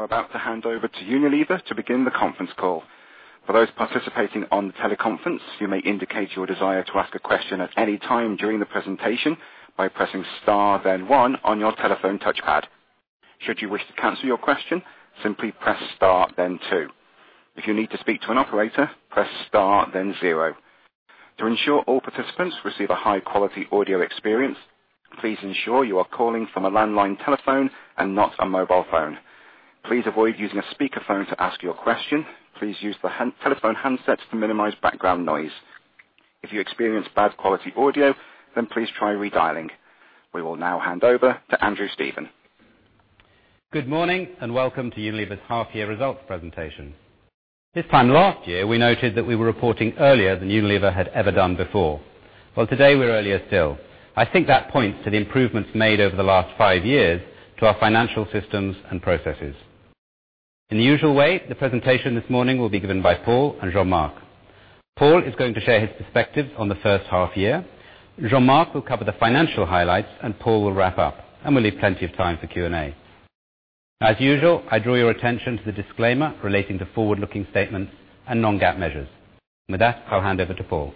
I'm about to hand over to Unilever to begin the conference call. For those participating on the teleconference, you may indicate your desire to ask a question at any time during the presentation by pressing star, then one on your telephone touchpad. Should you wish to cancel your question, simply press star, then two. If you need to speak to an operator, press star, then zero. To ensure all participants receive a high-quality audio experience, please ensure you are calling from a landline telephone and not a mobile phone. Please avoid using a speakerphone to ask your question. Please use the telephone handsets to minimize background noise. If you experience bad quality audio, please try redialing. We will now hand over to Andrew Stephen. Good morning and welcome to Unilever's half year results presentation. This time last year, we noted that we were reporting earlier than Unilever had ever done before. Today we're earlier still. I think that points to the improvements made over the last five years to our financial systems and processes. In the usual way, the presentation this morning will be given by Paul and Jean-Marc. Paul is going to share his perspectives on the first half year. Jean-Marc will cover the financial highlights, Paul will wrap up. We'll leave plenty of time for Q&A. As usual, I draw your attention to the disclaimer relating to forward-looking statements and non-GAAP measures. With that, I'll hand over to Paul.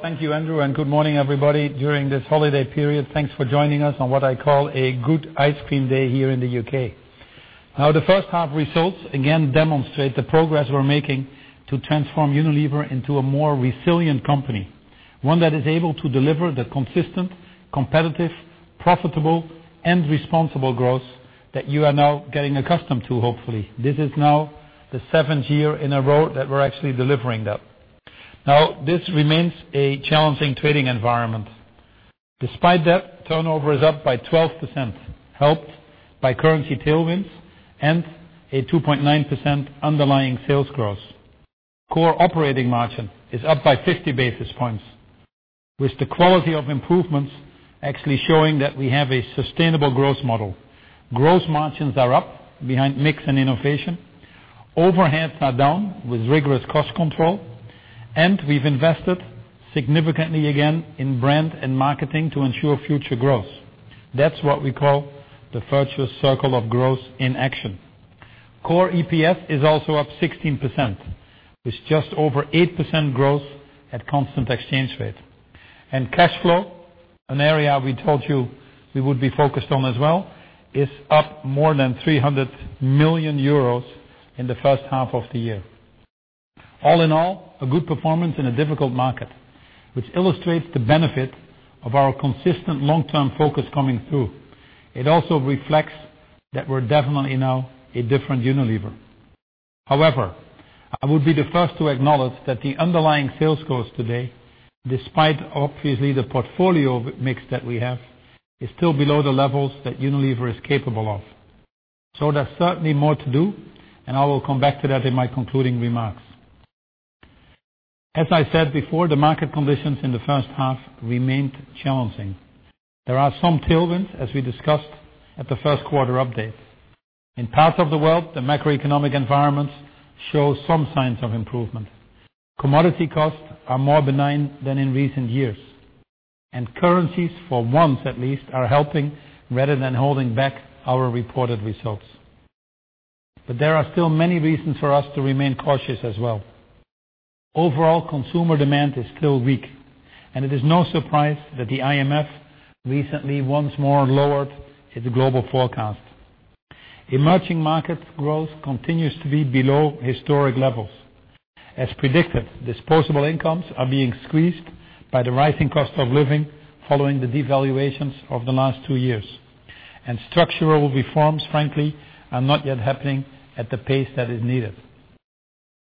Thank you, Andrew, and good morning, everybody. During this holiday period, thanks for joining us on what I call a good ice cream day here in the U.K. The first half results again demonstrate the progress we're making to transform Unilever into a more resilient company, one that is able to deliver the consistent, competitive, profitable, and responsible growth that you are now getting accustomed to, hopefully. This is now the seventh year in a row that we're actually delivering that. This remains a challenging trading environment. Despite that, turnover is up by 12%, helped by currency tailwinds and a 2.9% underlying sales growth. Core operating margin is up by 50 basis points, with the quality of improvements actually showing that we have a sustainable growth model. Gross margins are up behind mix and innovation. Overheads are down with rigorous cost control. We've invested significantly again in brand and marketing to ensure future growth. That's what we call the virtuous circle of growth in action. Core EPS is also up 16%, with just over 8% growth at constant exchange rate. Cash flow, an area we told you we would be focused on as well, is up more than €300 million in the first half of the year. All in all, a good performance in a difficult market, which illustrates the benefit of our consistent long-term focus coming through. It also reflects that we're definitely now a different Unilever. However, I would be the first to acknowledge that the underlying sales growth today, despite obviously the portfolio mix that we have, is still below the levels that Unilever is capable of. There's certainly more to do, and I will come back to that in my concluding remarks. As I said before, the market conditions in the first half remained challenging. There are some tailwinds, as we discussed at the first quarter update. In parts of the world, the macroeconomic environment shows some signs of improvement. Commodity costs are more benign than in recent years, and currencies, for once at least, are helping rather than holding back our reported results. There are still many reasons for us to remain cautious as well. Overall, consumer demand is still weak, and it is no surprise that the IMF recently once more lowered its global forecast. Emerging market growth continues to be below historic levels. As predicted, disposable incomes are being squeezed by the rising cost of living following the devaluations of the last two years. Structural reforms, frankly, are not yet happening at the pace that is needed.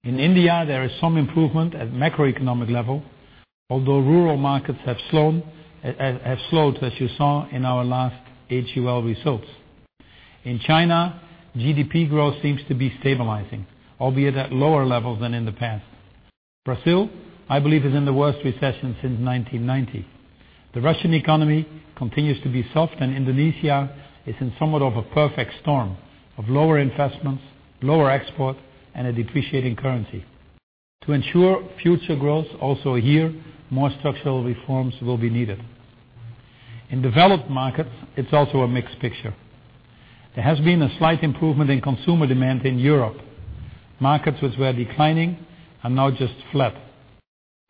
In India, there is some improvement at macroeconomic level, although rural markets have slowed, as you saw in our last HUL results. In China, GDP growth seems to be stabilizing, albeit at lower levels than in the past. Brazil, I believe, is in the worst recession since 1990. The Russian economy continues to be soft, and Indonesia is in somewhat of a perfect storm of lower investments, lower export, and a depreciating currency. To ensure future growth also here, more structural reforms will be needed. In developed markets, it's also a mixed picture. There has been a slight improvement in consumer demand in Europe. Markets which were declining are now just flat.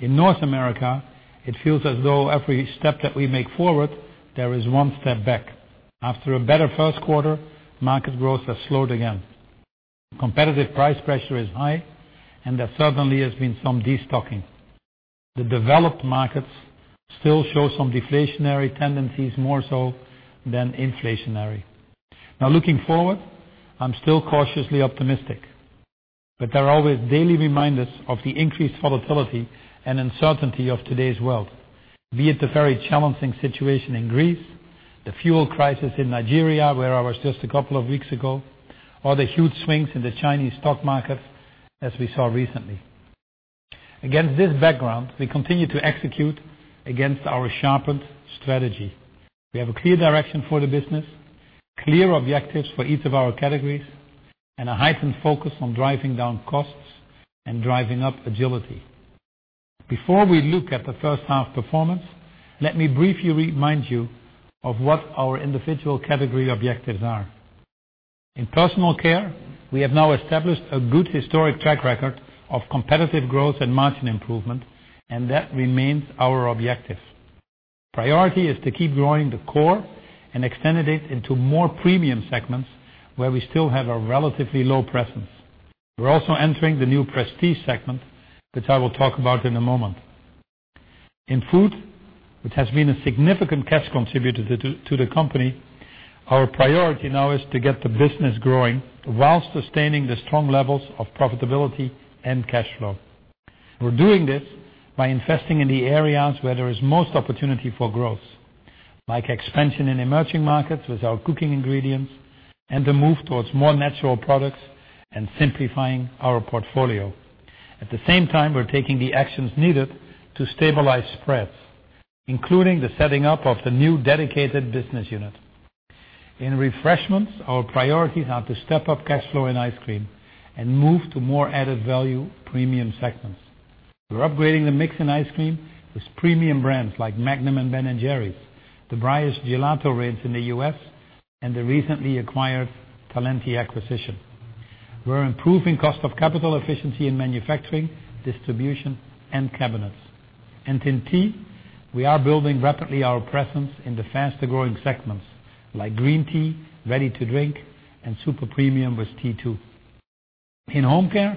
In North America, it feels as though every step that we make forward, there is one step back. After a better first quarter, market growth has slowed again. Competitive price pressure is high, and there certainly has been some destocking. The developed markets still show some deflationary tendencies, more so than inflationary. Looking forward, I'm still cautiously optimistic, but there are always daily reminders of the increased volatility and uncertainty of today's world, be it the very challenging situation in Greece, the fuel crisis in Nigeria, where I was just a couple of weeks ago, or the huge swings in the Chinese stock market as we saw recently. Against this background, we continue to execute against our sharpened strategy. We have a clear direction for the business, clear objectives for each of our categories, and a heightened focus on driving down costs and driving up agility. Before we look at the first half performance, let me briefly remind you of what our individual category objectives are. In personal care, we have now established a good historic track record of competitive growth and margin improvement, that remains our objective. Priority is to keep growing the core and extended it into more premium segments where we still have a relatively low presence. We're also entering the new prestige segment, which I will talk about in a moment. In food, which has been a significant cash contributor to the company, our priority now is to get the business growing whilst sustaining the strong levels of profitability and cash flow. We're doing this by investing in the areas where there is most opportunity for growth, like expansion in emerging markets with our cooking ingredients, the move towards more natural products, and simplifying our portfolio. At the same time, we're taking the actions needed to stabilize spreads, including the setting up of the new dedicated business unit. In refreshments, our priorities are to step up cash flow and ice cream and move to more added value premium segments. We're upgrading the mix in ice cream with premium brands like Magnum and Ben & Jerry's, the Breyers Gelato Indulgences brands in the U.S., and the recently acquired Talenti acquisition. We're improving cost of capital efficiency in manufacturing, distribution, and cabinets. In tea, we are building rapidly our presence in the faster-growing segments like green tea, ready-to-drink, and super premium with T2. In home care,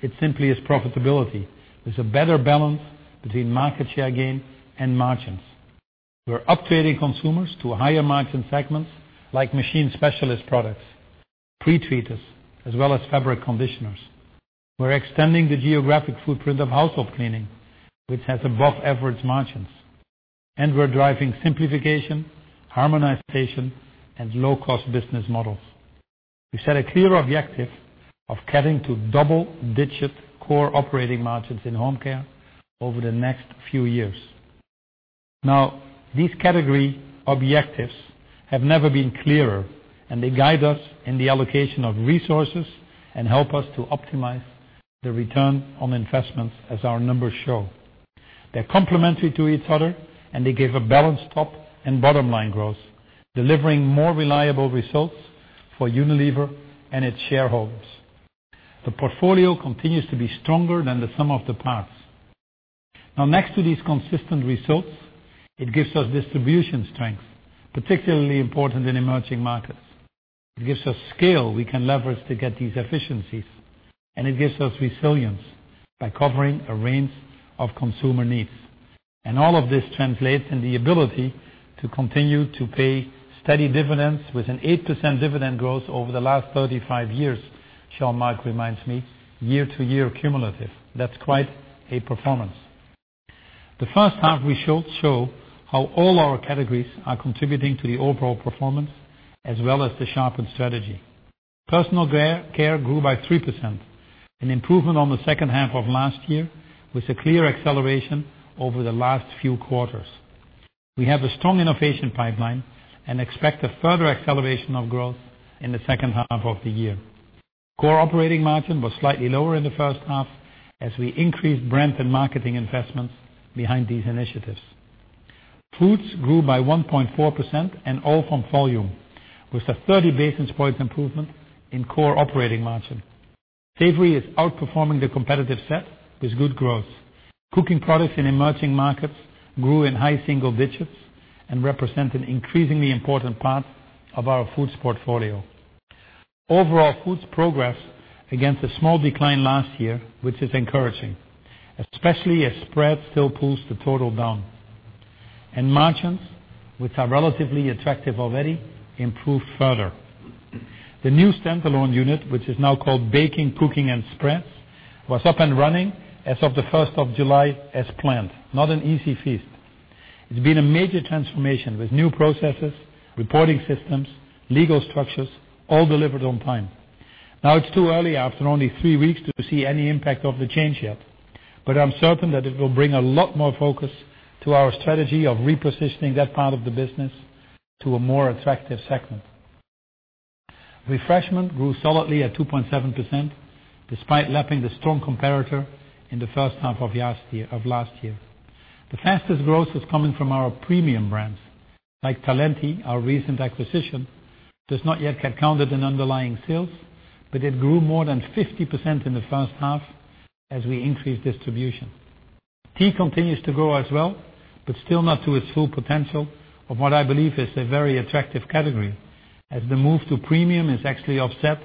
it simply is profitability. There's a better balance between market share gain and margins. We're up-trading consumers to higher-margin segments like machine specialist products, pre-treaters, as well as fabric conditioners. We're extending the geographic footprint of household cleaning, which has above-average margins. We're driving simplification, harmonization, and low-cost business models. We set a clear objective of getting to double-digit core operating margins in home care over the next few years. These category objectives have never been clearer, they guide us in the allocation of resources and help us to optimize the return on investments as our numbers show. They're complementary to each other, they give a balanced top and bottom-line growth, delivering more reliable results for Unilever and its shareholders. The portfolio continues to be stronger than the sum of the parts. Next to these consistent results, it gives us distribution strength, particularly important in emerging markets. It gives us scale we can leverage to get these efficiencies, it gives us resilience by covering a range of consumer needs. All of this translates in the ability to continue to pay steady dividends with an 8% dividend growth over the last 35 years, Jean-Marc reminds me, year to year cumulative. That's quite a performance. The first half results show how all our categories are contributing to the overall performance as well as the sharpened strategy. Personal care grew by 3%, an improvement on the second half of last year with a clear acceleration over the last few quarters. We have a strong innovation pipeline and expect a further acceleration of growth in the second half of the year. Core operating margin was slightly lower in the first half as we increased brand and marketing investments behind these initiatives. Foods grew by 1.4% and all from volume, with a 30 basis point improvement in core operating margin. Savory is outperforming the competitive set with good growth. Cooking products in emerging markets grew in high single digits and represent an increasingly important part of our foods portfolio. Overall, foods progress against a small decline last year, which is encouraging, especially as spreads still pulls the total down. Margins, which are relatively attractive already, improved further. The new standalone unit, which is now called Baking, Cooking and Spreads, was up and running as of the 1st of July as planned. Not an easy feat. It's been a major transformation with new processes, reporting systems, legal structures, all delivered on time. It's too early after only three weeks to see any impact of the change yet, but I'm certain that it will bring a lot more focus to our strategy of repositioning that part of the business to a more attractive segment. Refreshment grew solidly at 2.7%, despite lapping the strong comparator in the first half of last year. The fastest growth is coming from our premium brands like Talenti, our recent acquisition, does not yet get counted in underlying sales, but it grew more than 50% in the first half as we increased distribution. Tea continues to grow as well, but still not to its full potential of what I believe is a very attractive category, as the move to premium is actually offset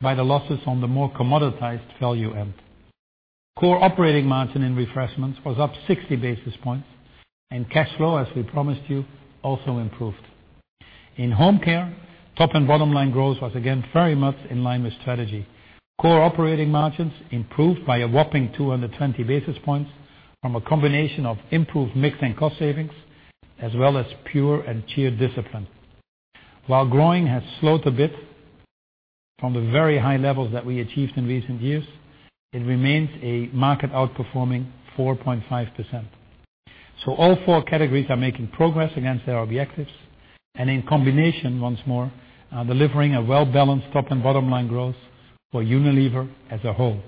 by the losses on the more commoditized value end. Core operating margin in refreshments was up 60 basis points, and cash flow, as we promised you, also improved. In home care, top and bottom line growth was again very much in line with strategy. Core operating margins improved by a whopping 220 basis points from a combination of improved mix and cost savings, as well as pure and sheer discipline. While growing has slowed a bit from the very high levels that we achieved in recent years, it remains a market outperforming 4.5%. All four categories are making progress against their objectives, and in combination, once more, delivering a well-balanced top and bottom-line growth for Unilever as a whole.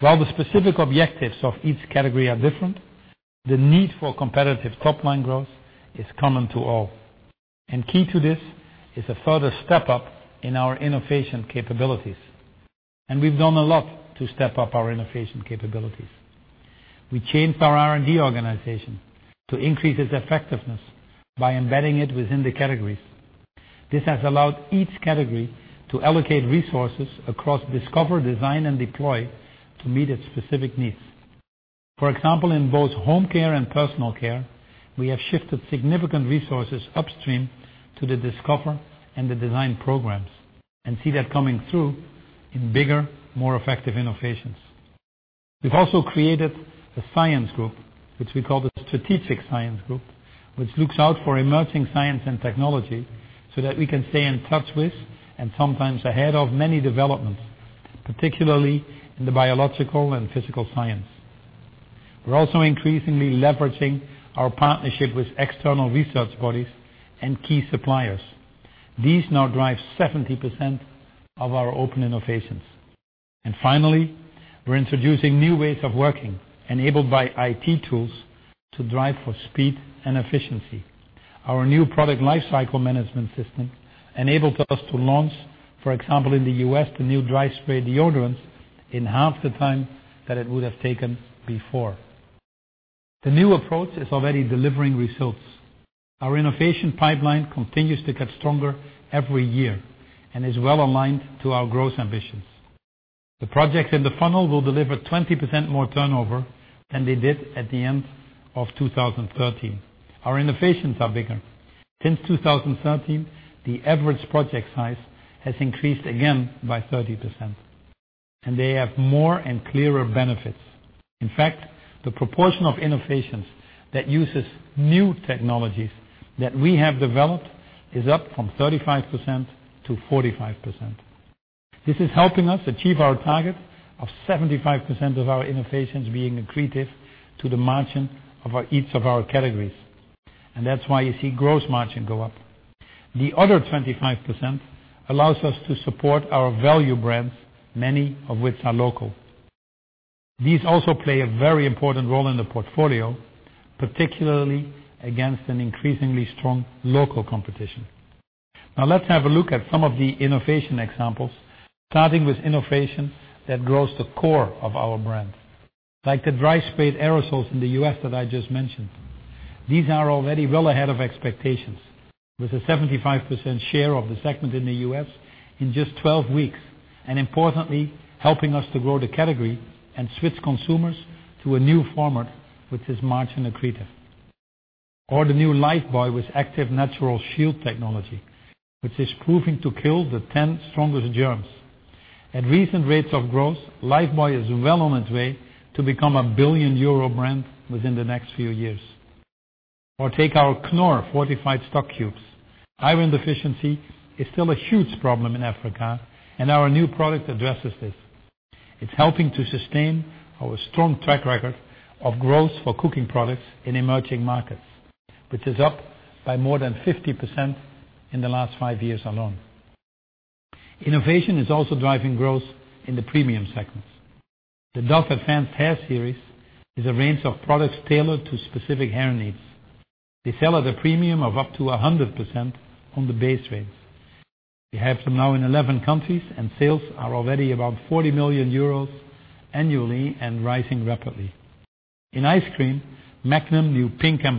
While the specific objectives of each category are different, the need for competitive top-line growth is common to all. Key to this is a further step up in our innovation capabilities. We've done a lot to step up our innovation capabilities. We changed our R&D organization to increase its effectiveness by embedding it within the categories. This has allowed each category to allocate resources across discover, design, and deploy to meet its specific needs. For example, in both home care and personal care, we have shifted significant resources upstream to the discover and the design programs and see that coming through in bigger, more effective innovations. We've also created a science group, which we call the Strategic Science Group, which looks out for emerging science and technology so that we can stay in touch with, and sometimes ahead of many developments, particularly in the biological and physical science. We're also increasingly leveraging our partnership with external research bodies and key suppliers. These now drive 70% of our open innovations. Finally, we're introducing new ways of working, enabled by IT tools to drive for speed and efficiency. Our new product lifecycle management system enables us to launch, for example, in the U.S., the new dry spray deodorants in half the time that it would have taken before. The new approach is already delivering results. Our innovation pipeline continues to get stronger every year and is well aligned to our growth ambitions. The projects in the funnel will deliver 20% more turnover than they did at the end of 2013. Our innovations are bigger. Since 2013, the average project size has increased again by 30%, and they have more and clearer benefits. In fact, the proportion of innovations that uses new technologies that we have developed is up from 35%-45%. This is helping us achieve our target of 75% of our innovations being accretive to the margin of each of our categories. That's why you see gross margin go up. The other 25% allows us to support our value brands, many of which are local. These also play a very important role in the portfolio, particularly against an increasingly strong local competition. Let's have a look at some of the innovation examples, starting with innovation that grows the core of our brand. The dry spray aerosols in the U.S. that I just mentioned. These are already well ahead of expectations, with a 75% share of the segment in the U.S. in just 12 weeks, and importantly, helping us to grow the category and switch consumers to a new format, which is margin accretive. The new Lifebuoy with Activ Naturol Shield technology, which is proving to kill the 10 strongest germs. At recent rates of growth, Lifebuoy is well on its way to become a 1 billion euro brand within the next few years. Take our Knorr fortified stock cubes. Iron deficiency is still a huge problem in Africa. Our new product addresses this. It's helping to sustain our strong track record of growth for cooking products in emerging markets, which is up by more than 50% in the last five years alone. Innovation is also driving growth in the premium segments. The Dove Advanced Hair Series is a range of products tailored to specific hair needs. They sell at a premium of up to 100% on the base range. We have some now in 11 countries, and sales are already about 40 million euros annually and rising rapidly. In ice cream, Magnum new pink and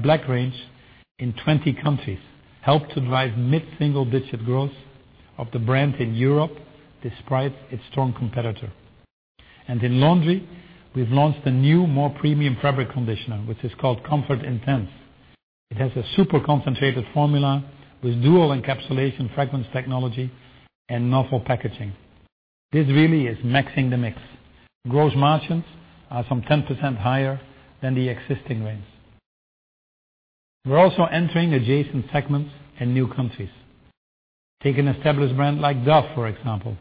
black range in 20 countries helped to drive mid-single-digit growth of the brand in Europe despite its strong competitor. In laundry, we've launched a new, more premium fabric conditioner, which is called Comfort Intense. It has a super concentrated formula with dual encapsulation fragrance technology and novel packaging. This really is maxing the mix. Gross margins are some 10% higher than the existing range. We're also entering adjacent segments in new countries. Take an established brand like Dove, for example.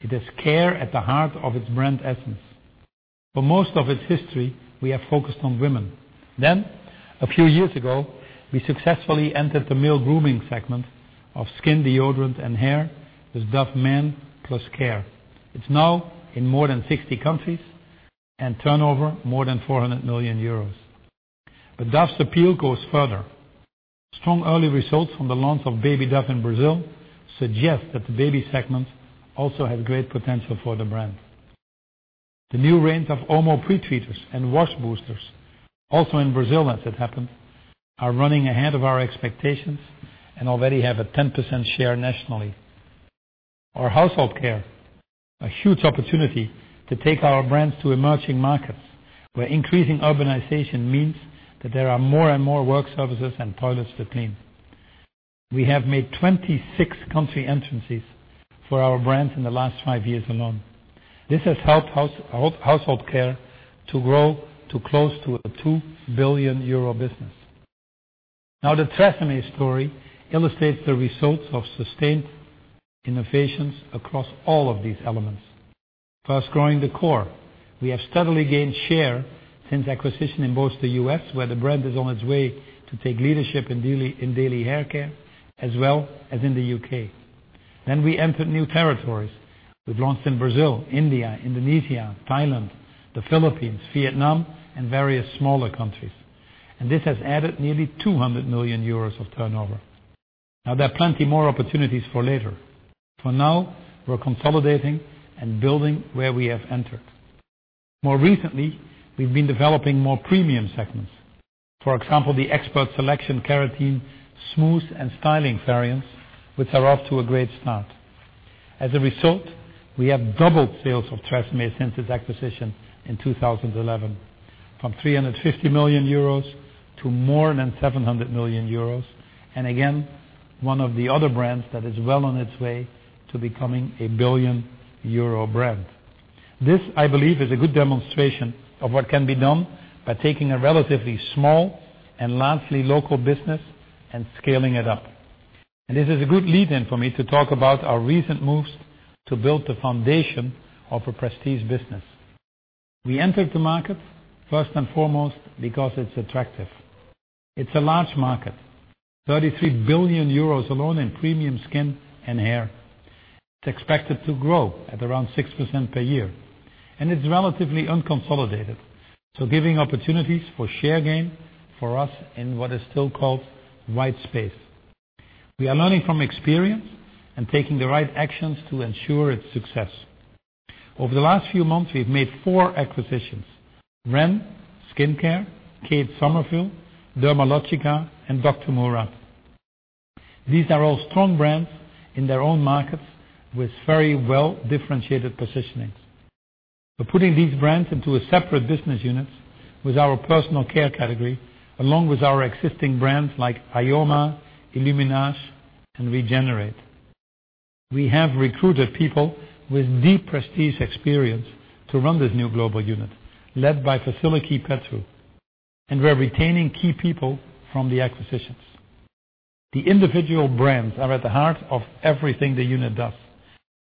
It has care at the heart of its brand essence. For most of its history, we have focused on women. A few years ago, we successfully entered the male grooming segment of skin deodorant and hair with Dove Men+Care. It's now in more than 60 countries and turnover more than 400 million euros. Dove's appeal goes further. Strong early results from the launch of Baby Dove in Brazil suggest that the baby segment also has great potential for the brand. The new range of Omo pre-treaters and wash boosters, also in Brazil, as it happened, are running ahead of our expectations and already have a 10% share nationally. Our household care, a huge opportunity to take our brands to emerging markets where increasing urbanization means that there are more and more work surfaces and toilets to clean. We have made 26 country entrances for our brands in the last five years alone. This has helped household care to grow to close to a 2 billion euro business. The TRESemmé story illustrates the results of sustained innovations across all of these elements. First, growing the core. We have steadily gained share since acquisition in both the U.S., where the brand is on its way to take leadership in daily haircare, as well as in the U.K. We entered new territories. We've launched in Brazil, India, Indonesia, Thailand, the Philippines, Vietnam, and various smaller countries. This has added nearly 200 million euros of turnover. There are plenty more opportunities for later. For now, we're consolidating and building where we have entered. More recently, we've been developing more premium segments. For example, the TRESemmé Expert Selection Keratin Smooth and styling variants, which are off to a great start. As a result, we have doubled sales of TRESemmé since its acquisition in 2011, from 350 million euros to more than 700 million euros. Again, one of the other brands that is well on its way to becoming a billion-euro brand. This, I believe, is a good demonstration of what can be done by taking a relatively small and largely local business and scaling it up. This is a good lead-in for me to talk about our recent moves to build the foundation of a prestige business. We entered the market, first and foremost, because it's attractive. It's a large market, 33 billion euros alone in premium skin and hair. It's expected to grow at around 6% per year. It's relatively unconsolidated, so giving opportunities for share gain for us in what is still called "white space." We are learning from experience and taking the right actions to ensure its success. Over the last few months, we've made four acquisitions: Ren Clean Skincare, Kate Somerville, Dermalogica, and Murad. These are all strong brands in their own markets with very well-differentiated positionings. We're putting these brands into separate business units with our personal care category, along with our existing brands like Ioma, Illuminage, and Regenerate. We have recruited people with deep prestige experience to run this new global unit, led by Vasiliki Petrou. We're retaining key people from the acquisitions. The individual brands are at the heart of everything the unit does.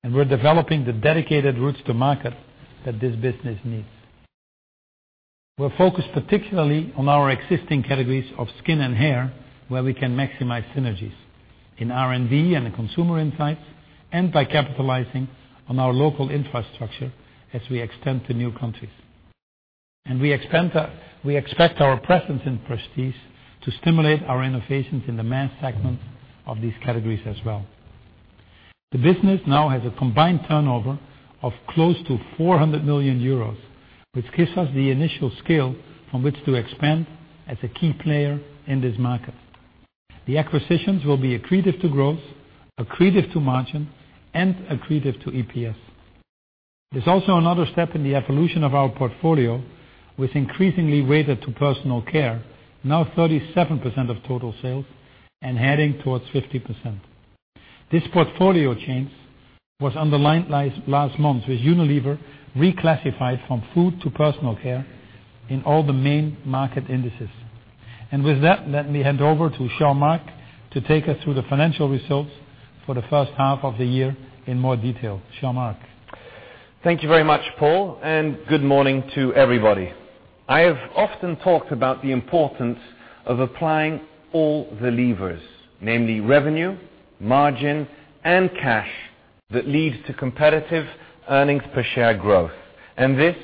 We're developing the dedicated routes to market that this business needs. We're focused particularly on our existing categories of skin and hair, where we can maximize synergies in R&D and consumer insights and by capitalizing on our local infrastructure as we extend to new countries. We expect our presence in prestige to stimulate our innovations in the mass segment of these categories as well. The business now has a combined turnover of close to 400 million euros, which gives us the initial scale from which to expand as a key player in this market. The acquisitions will be accretive to growth, accretive to margin, and accretive to EPS. There's also another step in the evolution of our portfolio, with increasingly weighted to personal care, now 37% of total sales, and heading towards 50%. This portfolio change was underlined last month, with Unilever reclassified from food to personal care in all the main market indices. With that, let me hand over to Jean-Marc to take us through the financial results for the first half of the year in more detail. Jean-Marc? Thank you very much, Paul, and good morning to everybody. I have often talked about the importance of applying all the levers, namely revenue, margin, and cash, that lead to competitive earnings per share growth, and this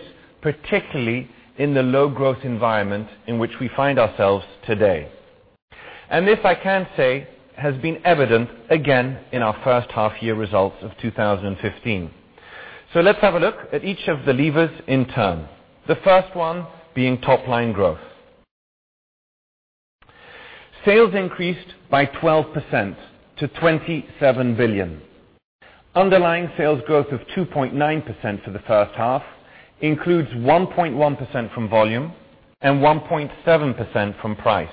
particularly in the low-growth environment in which we find ourselves today. This, I can say, has been evident again in our first half year results of 2015. Let's have a look at each of the levers in turn. The first one being top-line growth. Sales increased by 12% to 27 billion. Underlying sales growth of 2.9% for the first half includes 1.1% from volume and 1.7% from price.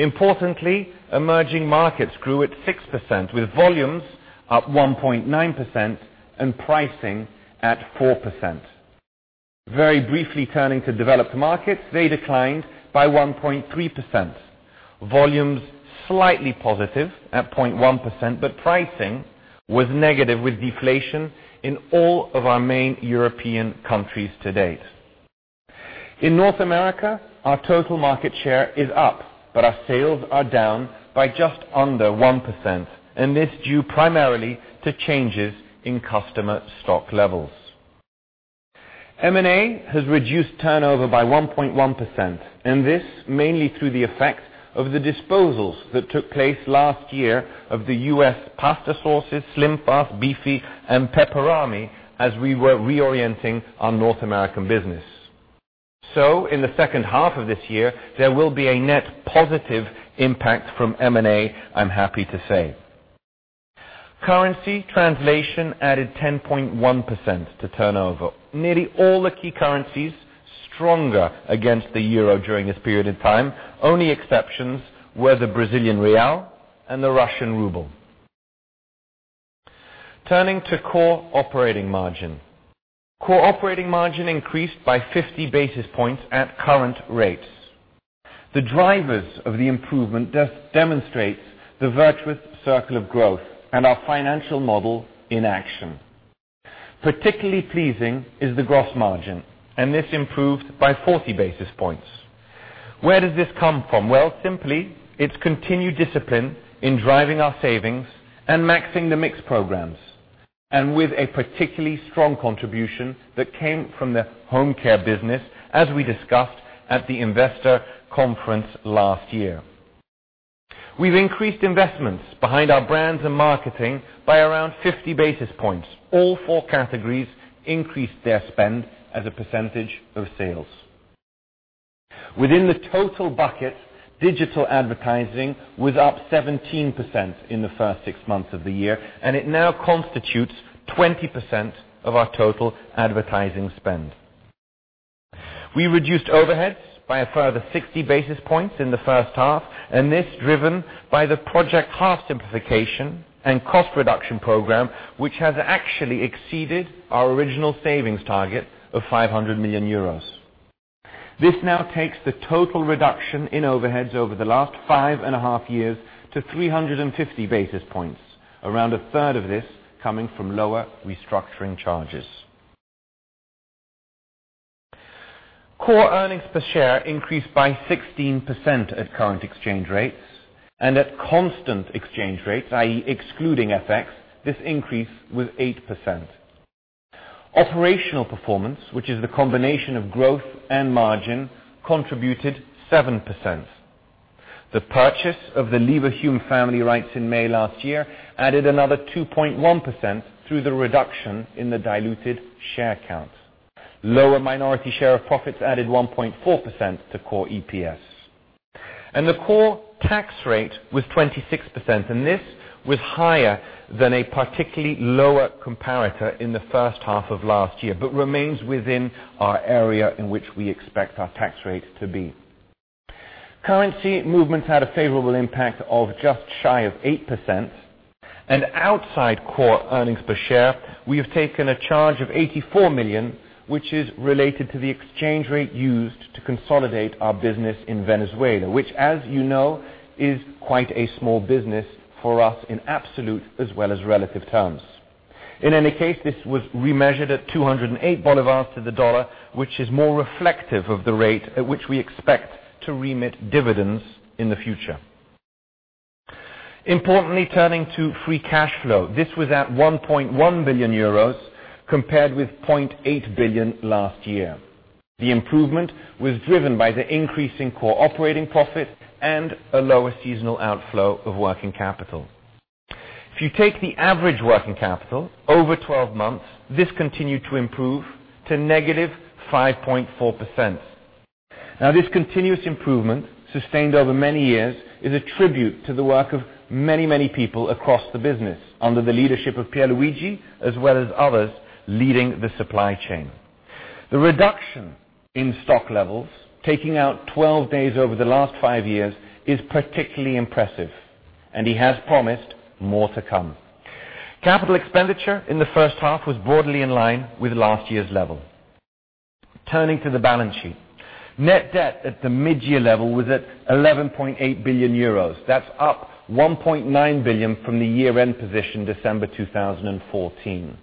Importantly, emerging markets grew at 6%, with volumes up 1.9% and pricing at 4%. Very briefly turning to developed markets, they declined by 1.3%. Volumes slightly positive at 0.1%, but pricing was negative with deflation in all of our main European countries to date. In North America, our total market share is up, but our sales are down by just under 1%, and this due primarily to changes in customer stock levels. M&A has reduced turnover by 1.1%, and this mainly through the effect of the disposals that took place last year of the U.S. pasta sauces, Slim-Fast, Bifi, and Peperami as we were reorienting our North American business. In the second half of this year, there will be a net positive impact from M&A, I'm happy to say. Currency translation added 10.1% to turnover. Nearly all the key currencies stronger against the EUR during this period in time. Only exceptions were the BRL and the RUB. Turning to core operating margin. Core operating margin increased by 50 basis points at current rates. The drivers of the improvement do demonstrate the virtuous circle of growth and our financial model in action. Particularly pleasing is the gross margin, and this improved by 40 basis points. Where does this come from? Well, simply, it's continued discipline in driving our savings and maxing the mix programs, and with a particularly strong contribution that came from the home care business, as we discussed at the investor conference last year. We've increased investments behind our brands and marketing by around 50 basis points. All four categories increased their spend as a percentage of sales. Within the total bucket, digital advertising was up 17% in the first six months of the year, and it now constitutes 20% of our total advertising spend. We reduced overheads by a further 60 basis points in the first half, and this driven by the Project Half simplification and cost reduction program, which has actually exceeded our original savings target of 500 million euros. This now takes the total reduction in overheads over the last five and a half years to 350 basis points, around a third of this coming from lower restructuring charges. Core EPS increased by 16% at current exchange rates, and at constant exchange rates, i.e. excluding FX, this increase was 8%. Operational performance, which is the combination of growth and margin, contributed 7%. The purchase of the Leverhulme family rights in May last year added another 2.1% through the reduction in the diluted share count. Lower minority share of profits added 1.4% to core EPS. The core tax rate was 26%. This was higher than a particularly lower comparator in the first half of last year, remains within our area in which we expect our tax rate to be. Currency movements had a favorable impact of just shy of 8%. Outside core EPS, we have taken a charge of 84 million, which is related to the exchange rate used to consolidate our business in Venezuela, which as you know, is quite a small business for us in absolute as well as relative terms. In any case, this was remeasured at VEF 208 to the USD, which is more reflective of the rate at which we expect to remit dividends in the future. Importantly, turning to free cash flow, this was at 1.1 billion euros compared with 0.8 billion last year. The improvement was driven by the increase in core operating profit and a lower seasonal outflow of working capital. If you take the average working capital over 12 months, this continued to improve to negative 5.4%. This continuous improvement, sustained over many years, is a tribute to the work of many, many people across the business under the leadership of Pierluigi, as well as others leading the supply chain. The reduction in stock levels, taking out 12 days over the last five years, is particularly impressive. He has promised more to come. Capital expenditure in the first half was broadly in line with last year's level. Turning to the balance sheet. Net debt at the mid-year level was at 11.8 billion euros. That is up 1.9 billion from the year-end position December 2014.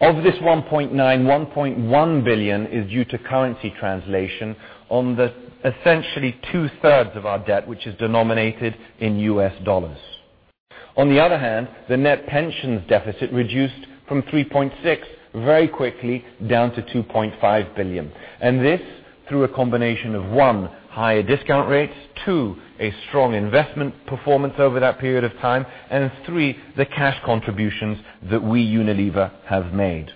Of this 1.9, 1.1 billion is due to currency translation on the essentially two-thirds of our debt which is denominated in US dollars. On the other hand, the net pensions deficit reduced from 3.6 very quickly down to 2.5 billion. This through a combination of one, higher discount rates, two, a strong investment performance over that period of time, and three, the cash contributions that we, Unilever, have made.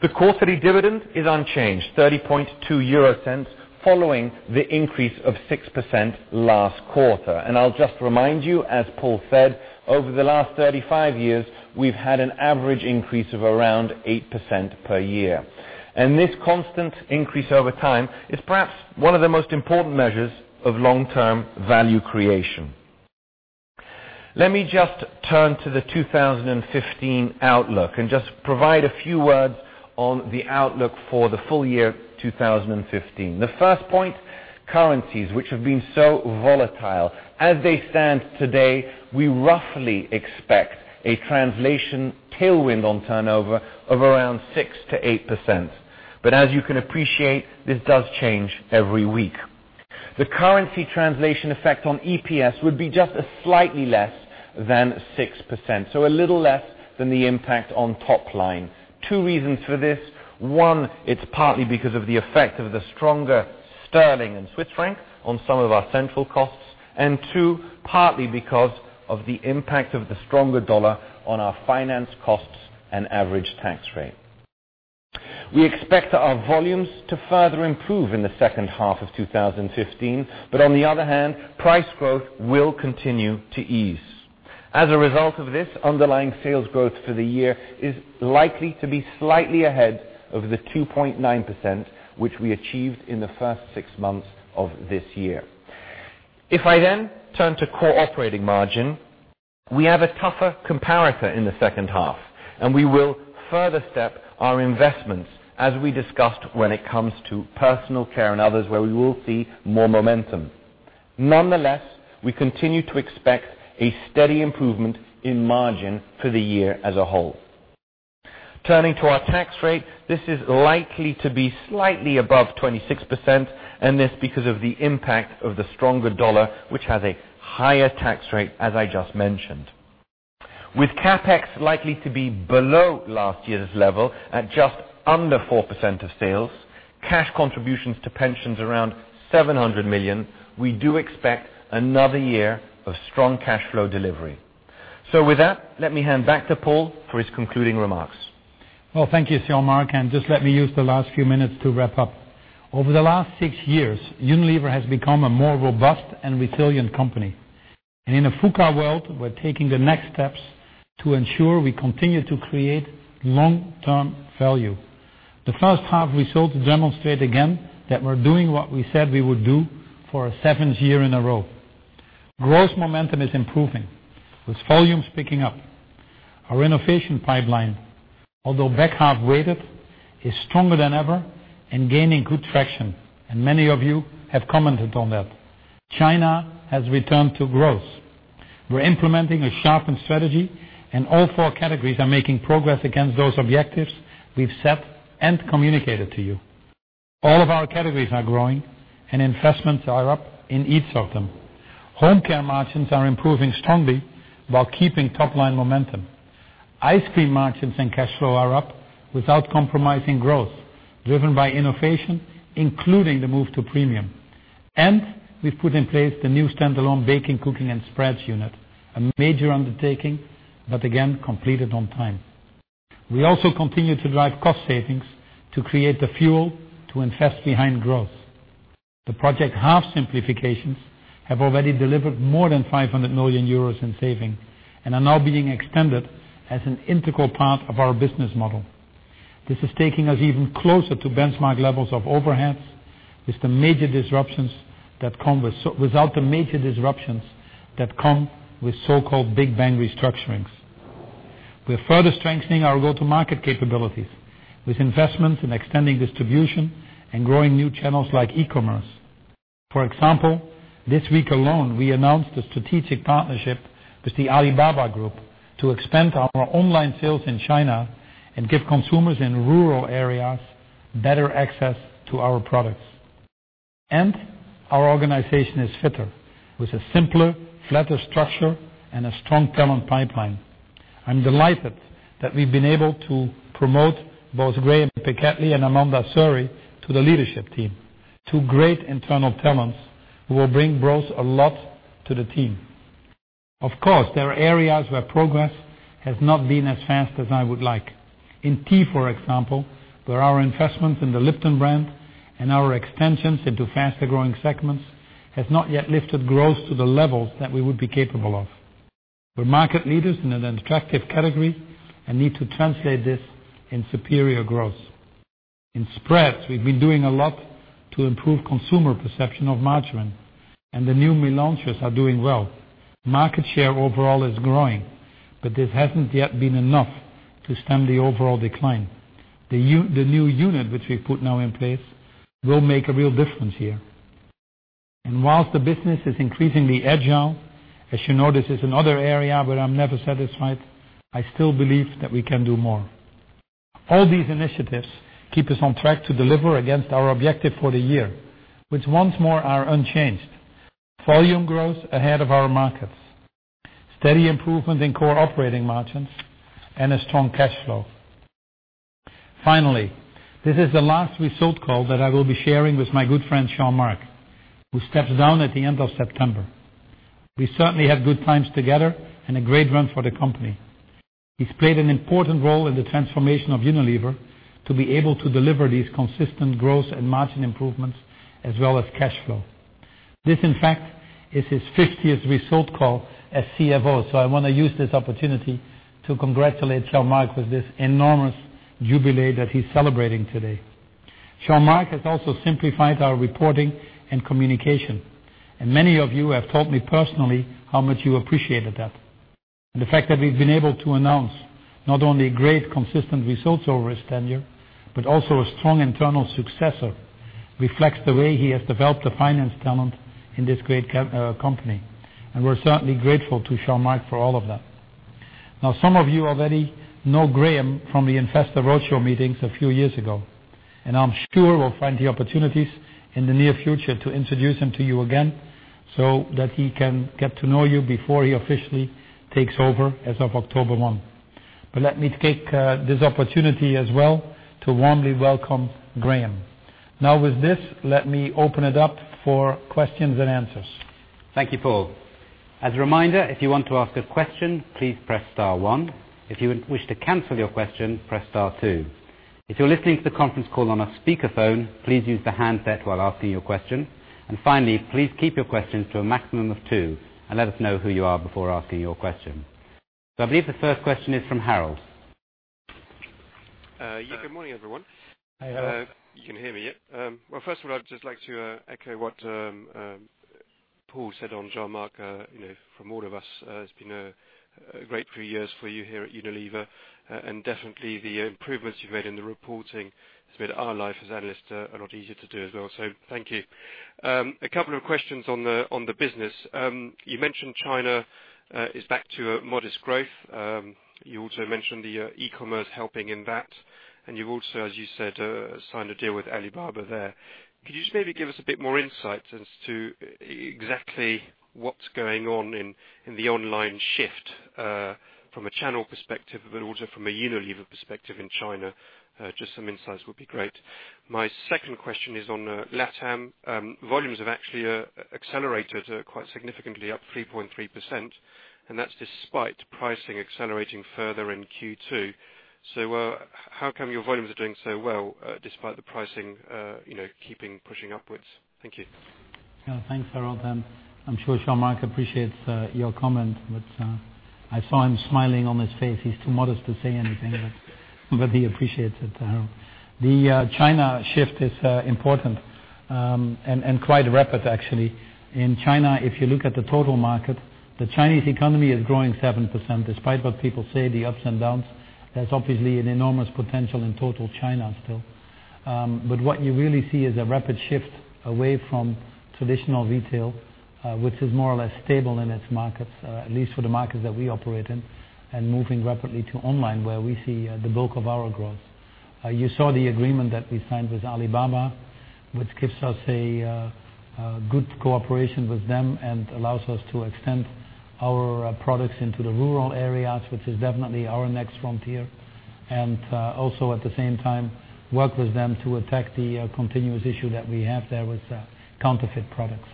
The quarterly dividend is unchanged, 0.302 following the increase of 6% last quarter. I will just remind you, as Paul said, over the last 35 years, we have had an average increase of around 8% per year. This constant increase over time is perhaps one of the most important measures of long-term value creation. Let me just turn to the 2015 outlook and just provide a few words on the outlook for the full year 2015. The first point, currencies, which have been so volatile. As they stand today, we roughly expect a translation tailwind on turnover of around 6%-8%. As you can appreciate, this does change every week. The currency translation effect on EPS would be just a slightly less than 6%, so a little less than the impact on top line. Two reasons for this. One, it is partly because of the effect of the stronger sterling and Swiss franc on some of our central costs. Two, partly because of the impact of the stronger dollar on our finance costs and average tax rate. We expect our volumes to further improve in the second half of 2015. On the other hand, price growth will continue to ease. As a result of this, underlying sales growth for the year is likely to be slightly ahead of the 2.9%, which we achieved in the first six months of this year. If I then turn to core operating margin, we have a tougher comparator in the second half. We will further step our investments, as we discussed when it comes to personal care and others, where we will see more momentum. Nonetheless, we continue to expect a steady improvement in margin for the year as a whole. Turning to our tax rate, this is likely to be slightly above 26%. This because of the impact of the stronger dollar, which has a higher tax rate, as I just mentioned. With CapEx likely to be below last year's level at just under 4% of sales, cash contributions to pensions around $700 million, we do expect another year of strong cash flow delivery. With that, let me hand back to Paul for his concluding remarks. Well, thank you, Jean-Marc. Just let me use the last few minutes to wrap up. Over the last six years, Unilever has become a more robust and resilient company. In a VUCA world, we're taking the next steps to ensure we continue to create long-term value. The first half results demonstrate again that we're doing what we said we would do for a seventh year in a row. Gross momentum is improving, with volumes picking up. Our innovation pipeline, although back-half weighted, is stronger than ever and gaining good traction, and many of you have commented on that. China has returned to growth. We're implementing a sharpened strategy. All four categories are making progress against those objectives we've set and communicated to you. All of our categories are growing. Investments are up in each of them. Home care margins are improving strongly while keeping top-line momentum. Ice cream margins and cash flow are up without compromising growth, driven by innovation, including the move to premium. We've put in place the new standalone Baking, Cooking and Spreads unit, a major undertaking, but again, completed on time. We also continue to drive cost savings to create the fuel to invest behind growth. The Project Half simplifications have already delivered more than 500 million euros in saving and are now being extended as an integral part of our business model. This is taking us even closer to benchmark levels of overheads without the major disruptions that come with so-called Big Bang restructurings. We're further strengthening our go-to-market capabilities with investments in extending distribution and growing new channels like e-commerce. For example, this week alone, we announced a strategic partnership with the Alibaba Group to expand our online sales in China and give consumers in rural areas better access to our products. Our organization is fitter, with a simpler, flatter structure and a strong talent pipeline. I'm delighted that we've been able to promote both Graeme Pitkethly and Amanda Sourry to the leadership team, two great internal talents who will bring both a lot to the team. Of course, there are areas where progress has not been as fast as I would like. In tea, for example, where our investments in the Lipton brand and our extensions into faster-growing segments has not yet lifted growth to the levels that we would be capable of. We're market leaders in an attractive category and need to translate this in superior growth. In spreads, we've been doing a lot to improve consumer perception of margarine, and the new launches are doing well. Market share overall is growing, but this hasn't yet been enough to stem the overall decline. The new unit which we put now in place will make a real difference here. Whilst the business is increasingly agile, as you know, this is another area where I'm never satisfied. I still believe that we can do more. All these initiatives keep us on track to deliver against our objective for the year, which once more are unchanged. Volume growth ahead of our markets, steady improvement in core operating margins, and a strong cash flow. Finally, this is the last result call that I will be sharing with my good friend, Jean-Marc, who steps down at the end of September. We certainly had good times together and a great run for the company. He's played an important role in the transformation of Unilever to be able to deliver these consistent growth and margin improvements as well as cash flow. This, in fact, is his 50th result call as CFO, so I want to use this opportunity to congratulate Jean-Marc with this enormous jubilee that he's celebrating today. Jean-Marc has also simplified our reporting and communication, and many of you have told me personally how much you appreciated that. The fact that we've been able to announce not only great consistent results over his tenure, but also a strong internal successor, reflects the way he has developed the finance talent in this great company, and we're certainly grateful to Jean-Marc for all of that. Some of you already know Graeme from the Investor Roadshow meetings a few years ago, and I'm sure we'll find the opportunities in the near future to introduce him to you again so that he can get to know you before he officially takes over as of October 1. Let me take this opportunity as well to warmly welcome Graeme. With this, let me open it up for questions and answers. Thank you, Paul. As a reminder, if you want to ask a question, please press star one. If you wish to cancel your question, press star two. If you're listening to the conference call on a speakerphone, please use the handset while asking your question. Finally, please keep your questions to a maximum of two and let us know who you are before asking your question. I believe the first question is from Harold. Yeah. Good morning, everyone. Hi, Harold. You can hear me, yeah? Well, first of all, I'd just like to echo what Paul said on Jean-Marc from all of us. It's been a great few years for you here at Unilever, and definitely the improvements you've made in the reporting has made our life as analysts a lot easier to do as well. Thank you. A couple of questions on the business. You mentioned China is back to modest growth. You also mentioned the e-commerce helping in that, and you've also, as you said, signed a deal with Alibaba there. Could you just maybe give us a bit more insight as to exactly what's going on in the online shift from a channel perspective, but also from a Unilever perspective in China? Just some insights would be great. My second question is on LATAM. Volumes have actually accelerated quite significantly, up 3.3%, and that's despite pricing accelerating further in Q2. How come your volumes are doing so well, despite the pricing keeping pushing upwards? Thank you. Thanks, Harold, and I'm sure Jean-Marc appreciates your comment. I saw him smiling on his face. He's too modest to say anything, but he appreciates it, Harold. The China shift is important, quite rapid, actually. In China, if you look at the total market, the Chinese economy is growing 7%, despite what people say, the ups and downs. There's obviously an enormous potential in total China still. What you really see is a rapid shift away from traditional retail, which is more or less stable in its markets, at least for the markets that we operate in, and moving rapidly to online, where we see the bulk of our growth. You saw the agreement that we signed with Alibaba, which gives us a good cooperation with them and allows us to extend our products into the rural areas, which is definitely our next frontier. Also at the same time, work with them to attack the continuous issue that we have there with counterfeit products.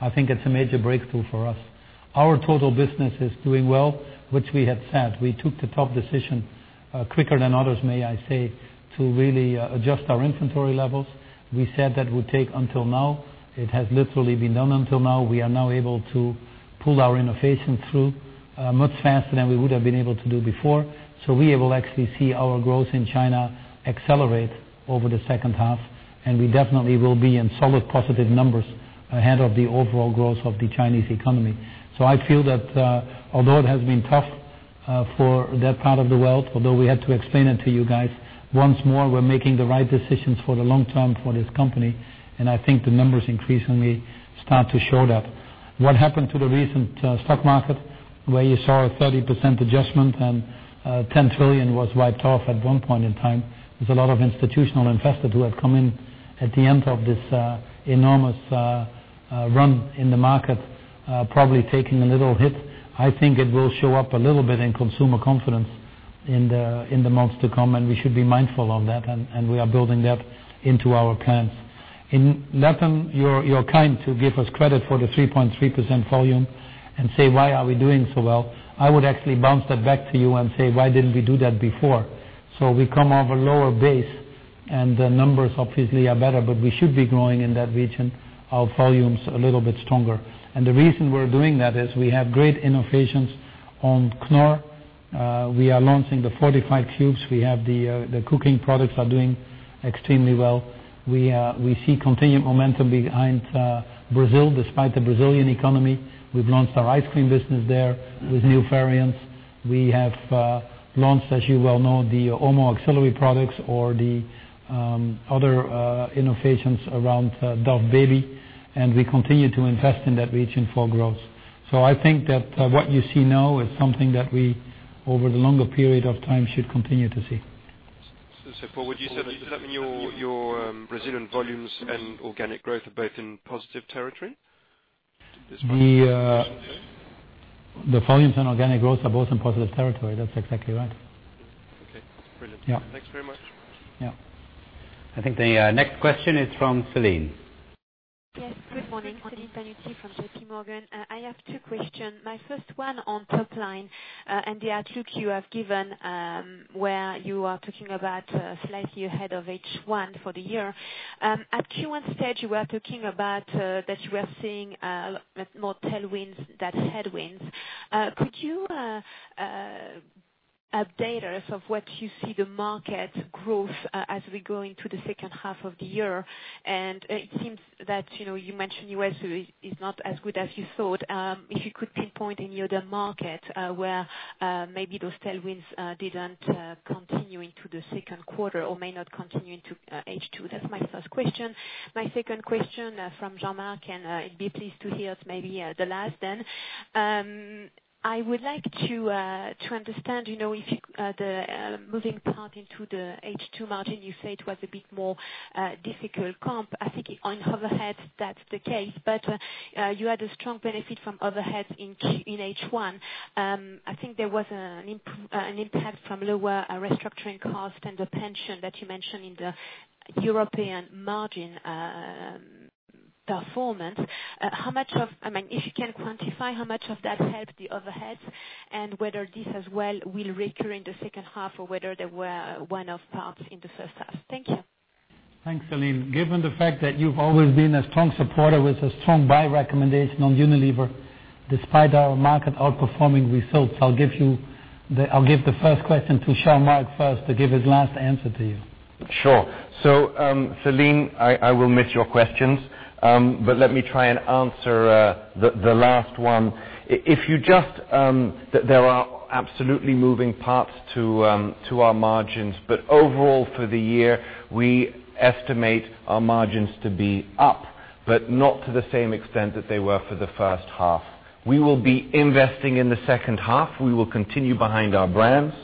I think it's a major breakthrough for us. Our total business is doing well, which we had said. We took the tough decision quicker than others, may I say, to really adjust our inventory levels. We said that would take until now. It has literally been done until now. We are now able to pull our innovation through much faster than we would have been able to do before. We will actually see our growth in China accelerate over the second half, and we definitely will be in solid positive numbers ahead of the overall growth of the Chinese economy. I feel that although it has been tough for that part of the world, although we had to explain it to you guys, once more, we're making the right decisions for the long term for this company, and I think the numbers increasingly start to show that. What happened to the recent stock market, where you saw a 30% adjustment and 10 trillion was wiped off at one point in time, there's a lot of institutional investors who have come in at the end of this enormous run in the market, probably taking a little hit. I think it will show up a little bit in consumer confidence in the months to come, and we should be mindful of that, and we are building that into our plans. In LATAM, you're kind to give us credit for the 3.3% volume and say, why are we doing so well. I would actually bounce that back to you and say, why didn't we do that before? We come off a lower base, and the numbers obviously are better, but we should be growing in that region, our volumes a little bit stronger. The reason we're doing that is we have great innovations on Knorr. We are launching the fortified cubes. We have the cooking products are doing extremely well. We see continued momentum behind Brazil, despite the Brazilian economy. We've launched our ice cream business there with new variants. We have launched, as you well know, the Omo auxiliary products or the other innovations around Baby Dove, and we continue to invest in that region for growth. I think that what you see now is something that we, over the longer period of time, should continue to see. Paul, does that mean your Brazilian volumes and organic growth are both in positive territory? The volumes and organic growths are both in positive territory. That's exactly right. Okay. Brilliant. Yeah. Thanks very much. Yeah. I think the next question is from Celine. Yes, good morning. Celine Pannuti from JPMorgan. I have two questions. My first one on top line, and the outlook you have given, where you are talking about slightly ahead of H1 for the year. At Q1 stage, you were talking about that you were seeing more tailwinds than headwinds. Could you update us of what you see the market growth as we go into the second half of the year? It seems that you mentioned U.S. is not as good as you thought. If you could pinpoint any other market where maybe those tailwinds didn't continue into the second quarter or may not continue into H2. That's my first question. My second question from Jean-Marc, and he'd be pleased to hear it's maybe the last then. I would like to understand the moving part into the H2 margin, you say it was a bit more difficult comp. I think on overhead, that's the case, but you had a strong benefit from overhead in H1. I think there was an impact from lower restructuring cost and the pension that you mentioned in the European margin performance. If you can quantify how much of that helped the overhead and whether this as well will recur in the second half or whether they were one-off parts in the first half. Thank you. Thanks, Celine. Given the fact that you've always been a strong supporter with a strong buy recommendation on Unilever, despite our market outperforming results, I'll give the first question to Jean-Marc first to give his last answer to you. Celine, I will miss your questions, but let me try and answer the last one. There are absolutely moving parts to our margins. Overall, for the year, we estimate our margins to be up, but not to the same extent that they were for the first half. We will be investing in the second half. We will continue behind our brands.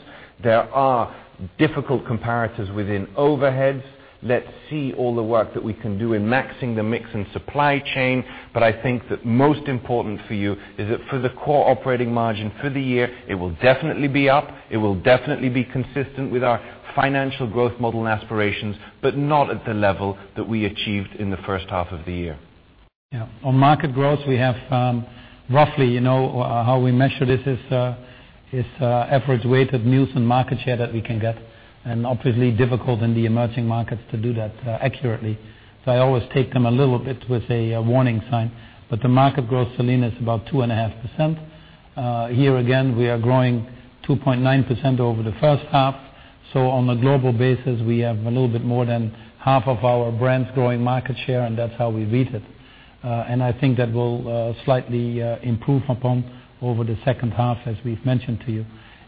There are difficult comparators within overheads. Let's see all the work that we can do in maxing the mix and supply chain. I think that most important for you is that for the core operating margin for the year, it will definitely be up, it will definitely be consistent with our financial growth model and aspirations, but not at the level that we achieved in the first half of the year. On market growth, we have roughly how we measure this is average weighted Nielsen market share that we can get, and obviously difficult in the emerging markets to do that accurately. I always take them a little bit with a warning sign. The market growth, Celine, is about 2.5%. Here, again, we are growing 2.9% over the first half. On a global basis, we have a little bit more than half of our brands growing market share, and that's how we read it. I think that will slightly improve upon over the second half, as we've mentioned to you.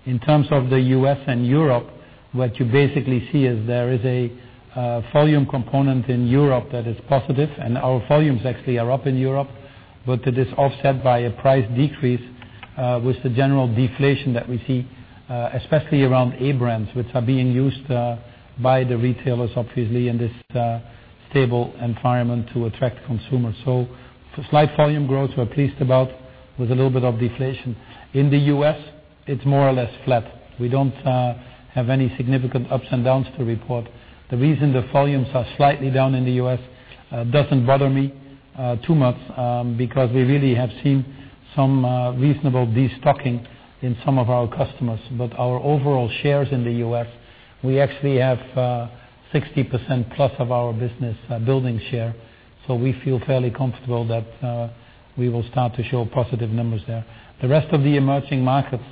In terms of the U.S. and Europe, what you basically see is there is a volume component in Europe that is positive, and our volumes actually are up in Europe. It is offset by a price decrease with the general deflation that we see, especially around A brands, which are being used by the retailers, obviously, in this stable environment to attract consumers. Slight volume growth we're pleased about with a little bit of deflation. In the U.S., it's more or less flat. We don't have any significant ups and downs to report. The reason the volumes are slightly down in the U.S. doesn't bother me too much because we really have seen some reasonable destocking in some of our customers. Our overall shares in the U.S., we actually have 60%+ of our business building share. We feel fairly comfortable that we will start to show positive numbers there. The rest of the emerging markets,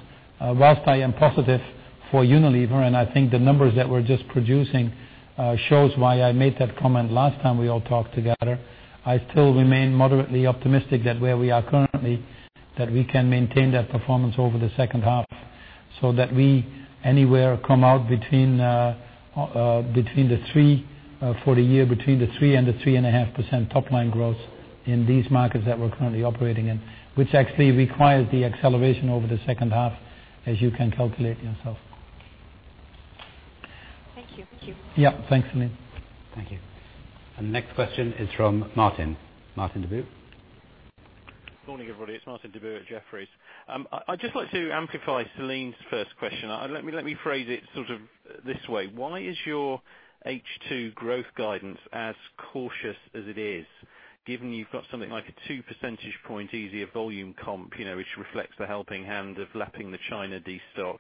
whilst I am positive for Unilever, and I think the numbers that we're just producing shows why I made that comment last time we all talked together, I still remain moderately optimistic that where we are currently, that we can maintain that performance over the second half, so that we anywhere come out for the year between the 3% and the 3.5% top line growth in these markets that we're currently operating in. Which actually requires the acceleration over the second half as you can calculate yourself. Thank you. Yeah. Thanks, Celine. Thank you. Next question is from Martin. Martin Deboo. Morning, everybody. It is Martin Deboo at Jefferies. I would just like to amplify Celine's first question. Let me phrase it this way. Why is your H2 growth guidance as cautious as it is, given you have got something like a two percentage point easier volume comp, which reflects the helping hand of lapping the China destock?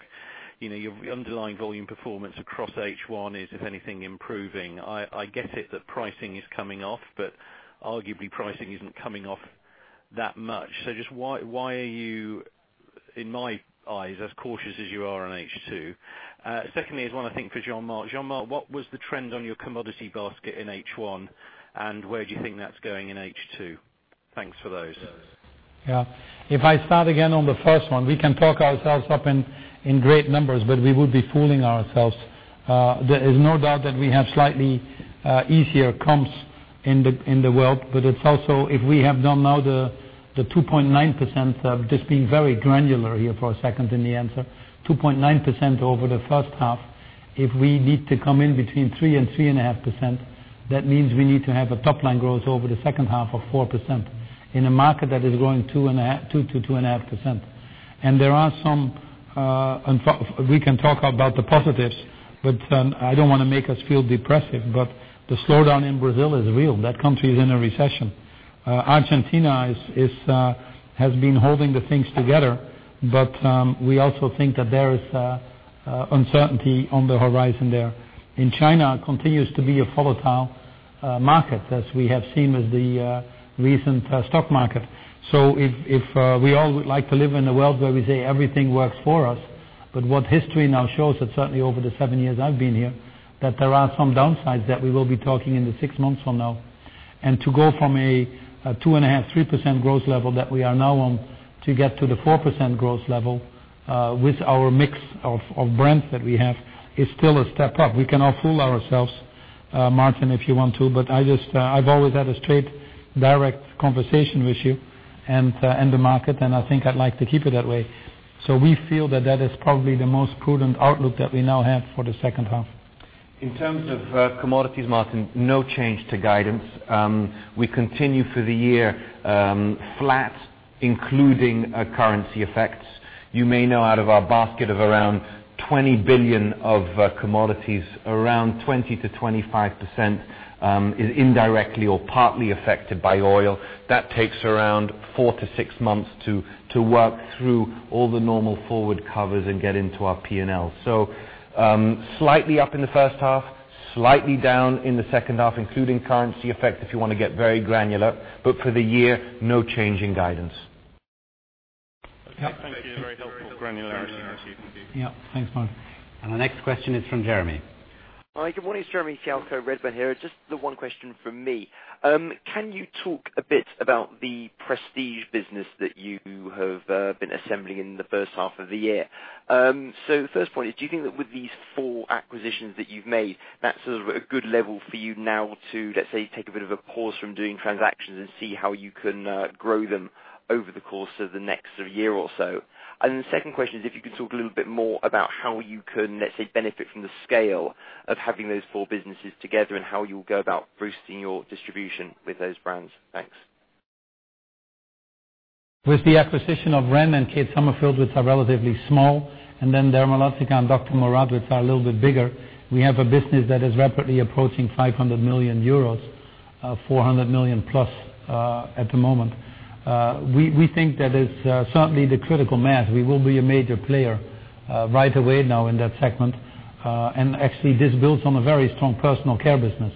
Your underlying volume performance across H1 is, if anything, improving. I get it that pricing is coming off, but arguably pricing isn't coming off that much. Just why are you, in my eyes, as cautious as you are on H2? Secondly is one, I think, for Jean-Marc. Jean-Marc, what was the trend on your commodity basket in H1, and where do you think that is going in H2? Thanks for those. If I start again on the first one, we can talk ourselves up in great numbers, but we would be fooling ourselves. There is no doubt that we have slightly easier comps in the world, but it is also if we have done now the 2.9% of just being very granular here for a second in the answer, 2.9% over the first half. If we need to come in between 3%-3.5%, that means we need to have a top line growth over the second half of 4% in a market that is growing 2%-2.5%. We can talk about the positives, but I don't want to make us feel depressive, but the slowdown in Brazil is real. That country is in a recession. Argentina has been holding the things together, but we also think that there is uncertainty on the horizon there. China continues to be a volatile market, as we have seen with the recent stock market. If we all would like to live in a world where we say everything works for us, but what history now shows that certainly over the seven years I have been here, that there are some downsides that we will be talking in the six months from now. To go from a 2.5%-3% growth level that we are now on to get to the 4% growth level with our mix of brands that we have is still a step up. We can all fool ourselves, Martin, if you want to, but I have always had a straight, direct conversation with you and the market, and I think I would like to keep it that way. We feel that that is probably the most prudent outlook that we now have for the second half. In terms of commodities, Martin, no change to guidance. We continue for the year flat, including currency effects. You may know out of our basket of around 20 billion of commodities, around 20%-25% is indirectly or partly affected by oil. That takes around four to six months to work through all the normal forward covers and get into our P&L. Slightly up in the first half, slightly down in the second half, including currency effect, if you want to get very granular. But for the year, no change in guidance. Okay. Thank you. Very helpful granularity as you can be. Yeah. Thanks, Martin. The next question is from Jeremy. Hi, good morning. It's Jeremy Fialko, Redburn here. Just the one question from me. Can you talk a bit about the prestige business that you have been assembling in the first half of the year? The first point is, do you think that with these four acquisitions that you've made, that's sort of a good level for you now to, let's say, take a bit of a pause from doing transactions and see how you can grow them over the course of the next year or so? The second question is, if you could talk a little more about how you can, let's say, benefit from the scale of having those four businesses together, and how you'll go about boosting your distribution with those brands. Thanks. With the acquisition of Ren and Kate Somerville, which are relatively small, and then Dermalogica and Dr. Murad, which are a little bit bigger, we have a business that is rapidly approaching 500 million euros, 400 million plus, at the moment. We think that it's certainly the critical mass. We will be a major player right away now in that segment. Actually, this builds on a very strong personal care business.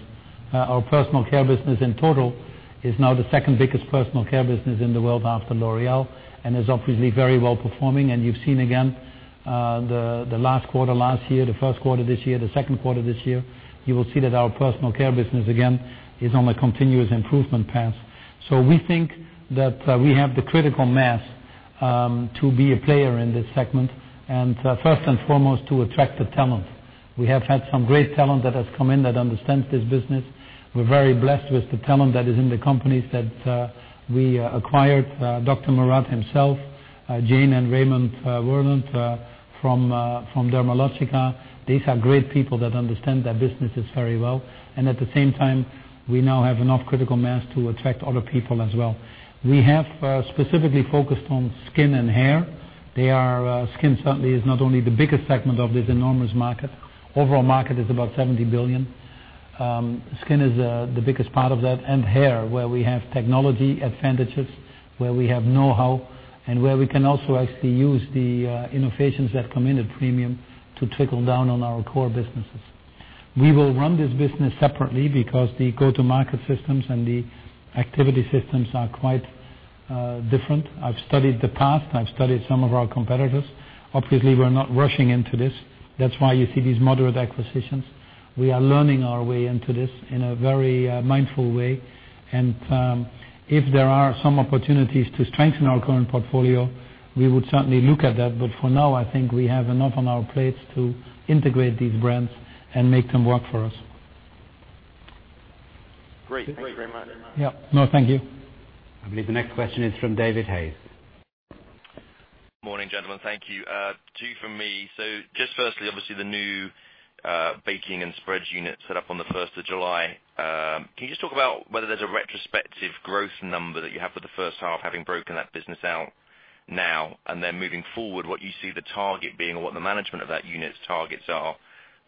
Our personal care business in total is now the second biggest personal care business in the world after L'Oréal, and is obviously very well-performing. You've seen again, the last quarter last year, the first quarter this year, the second quarter this year, you will see that our personal care business again is on a continuous improvement path. We think that we have the critical mass to be a player in this segment. First and foremost, to attract the talent. We have had some great talent that has come in that understands this business. We're very blessed with the talent that is in the companies that we acquired. Dr. Murad himself, Jane and Raymond Wurwand from Dermalogica. These are great people that understand their businesses very well. At the same time, we now have enough critical mass to attract other people as well. We have specifically focused on skin and hair. Skin certainly is not only the biggest segment of this enormous market. Overall market is about 70 billion. Skin is the biggest part of that. Hair, where we have technology advantages, where we have know-how, and where we can also actually use the innovations that come in at premium to trickle down on our core businesses. We will run this business separately because the go-to-market systems and the activity systems are quite different. I've studied the past. I've studied some of our competitors. Obviously, we're not rushing into this. That's why you see these moderate acquisitions. We are learning our way into this in a very mindful way. If there are some opportunities to strengthen our current portfolio, we would certainly look at that. For now, I think we have enough on our plates to integrate these brands and make them work for us. Great. Thank you very much. Yeah. No, thank you. I believe the next question is from David Hayes. Morning, gentlemen. Thank you. Two from me. Just firstly, obviously the new baking and spreads unit set up on the 1st of July. Can you just talk about whether there's a retrospective growth number that you have for the first half, having broken that business out now? Then moving forward, what you see the target being or what the management of that unit's targets are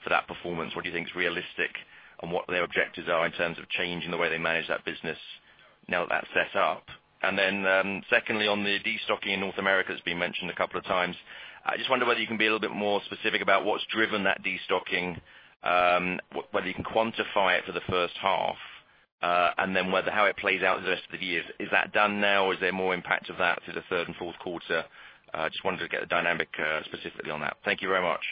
for that performance. What do you think is realistic and what their objectives are in terms of changing the way they manage that business now that that's set up? Then secondly, on the de-stocking in North America. It's been mentioned a couple of times. I just wonder whether you can be a little bit more specific about what's driven that de-stocking, whether you can quantify it for the first half, and then how it plays out the rest of the year. Is that done now or is there more impact of that to the third and fourth quarter? I just wanted to get the dynamic specifically on that. Thank you very much.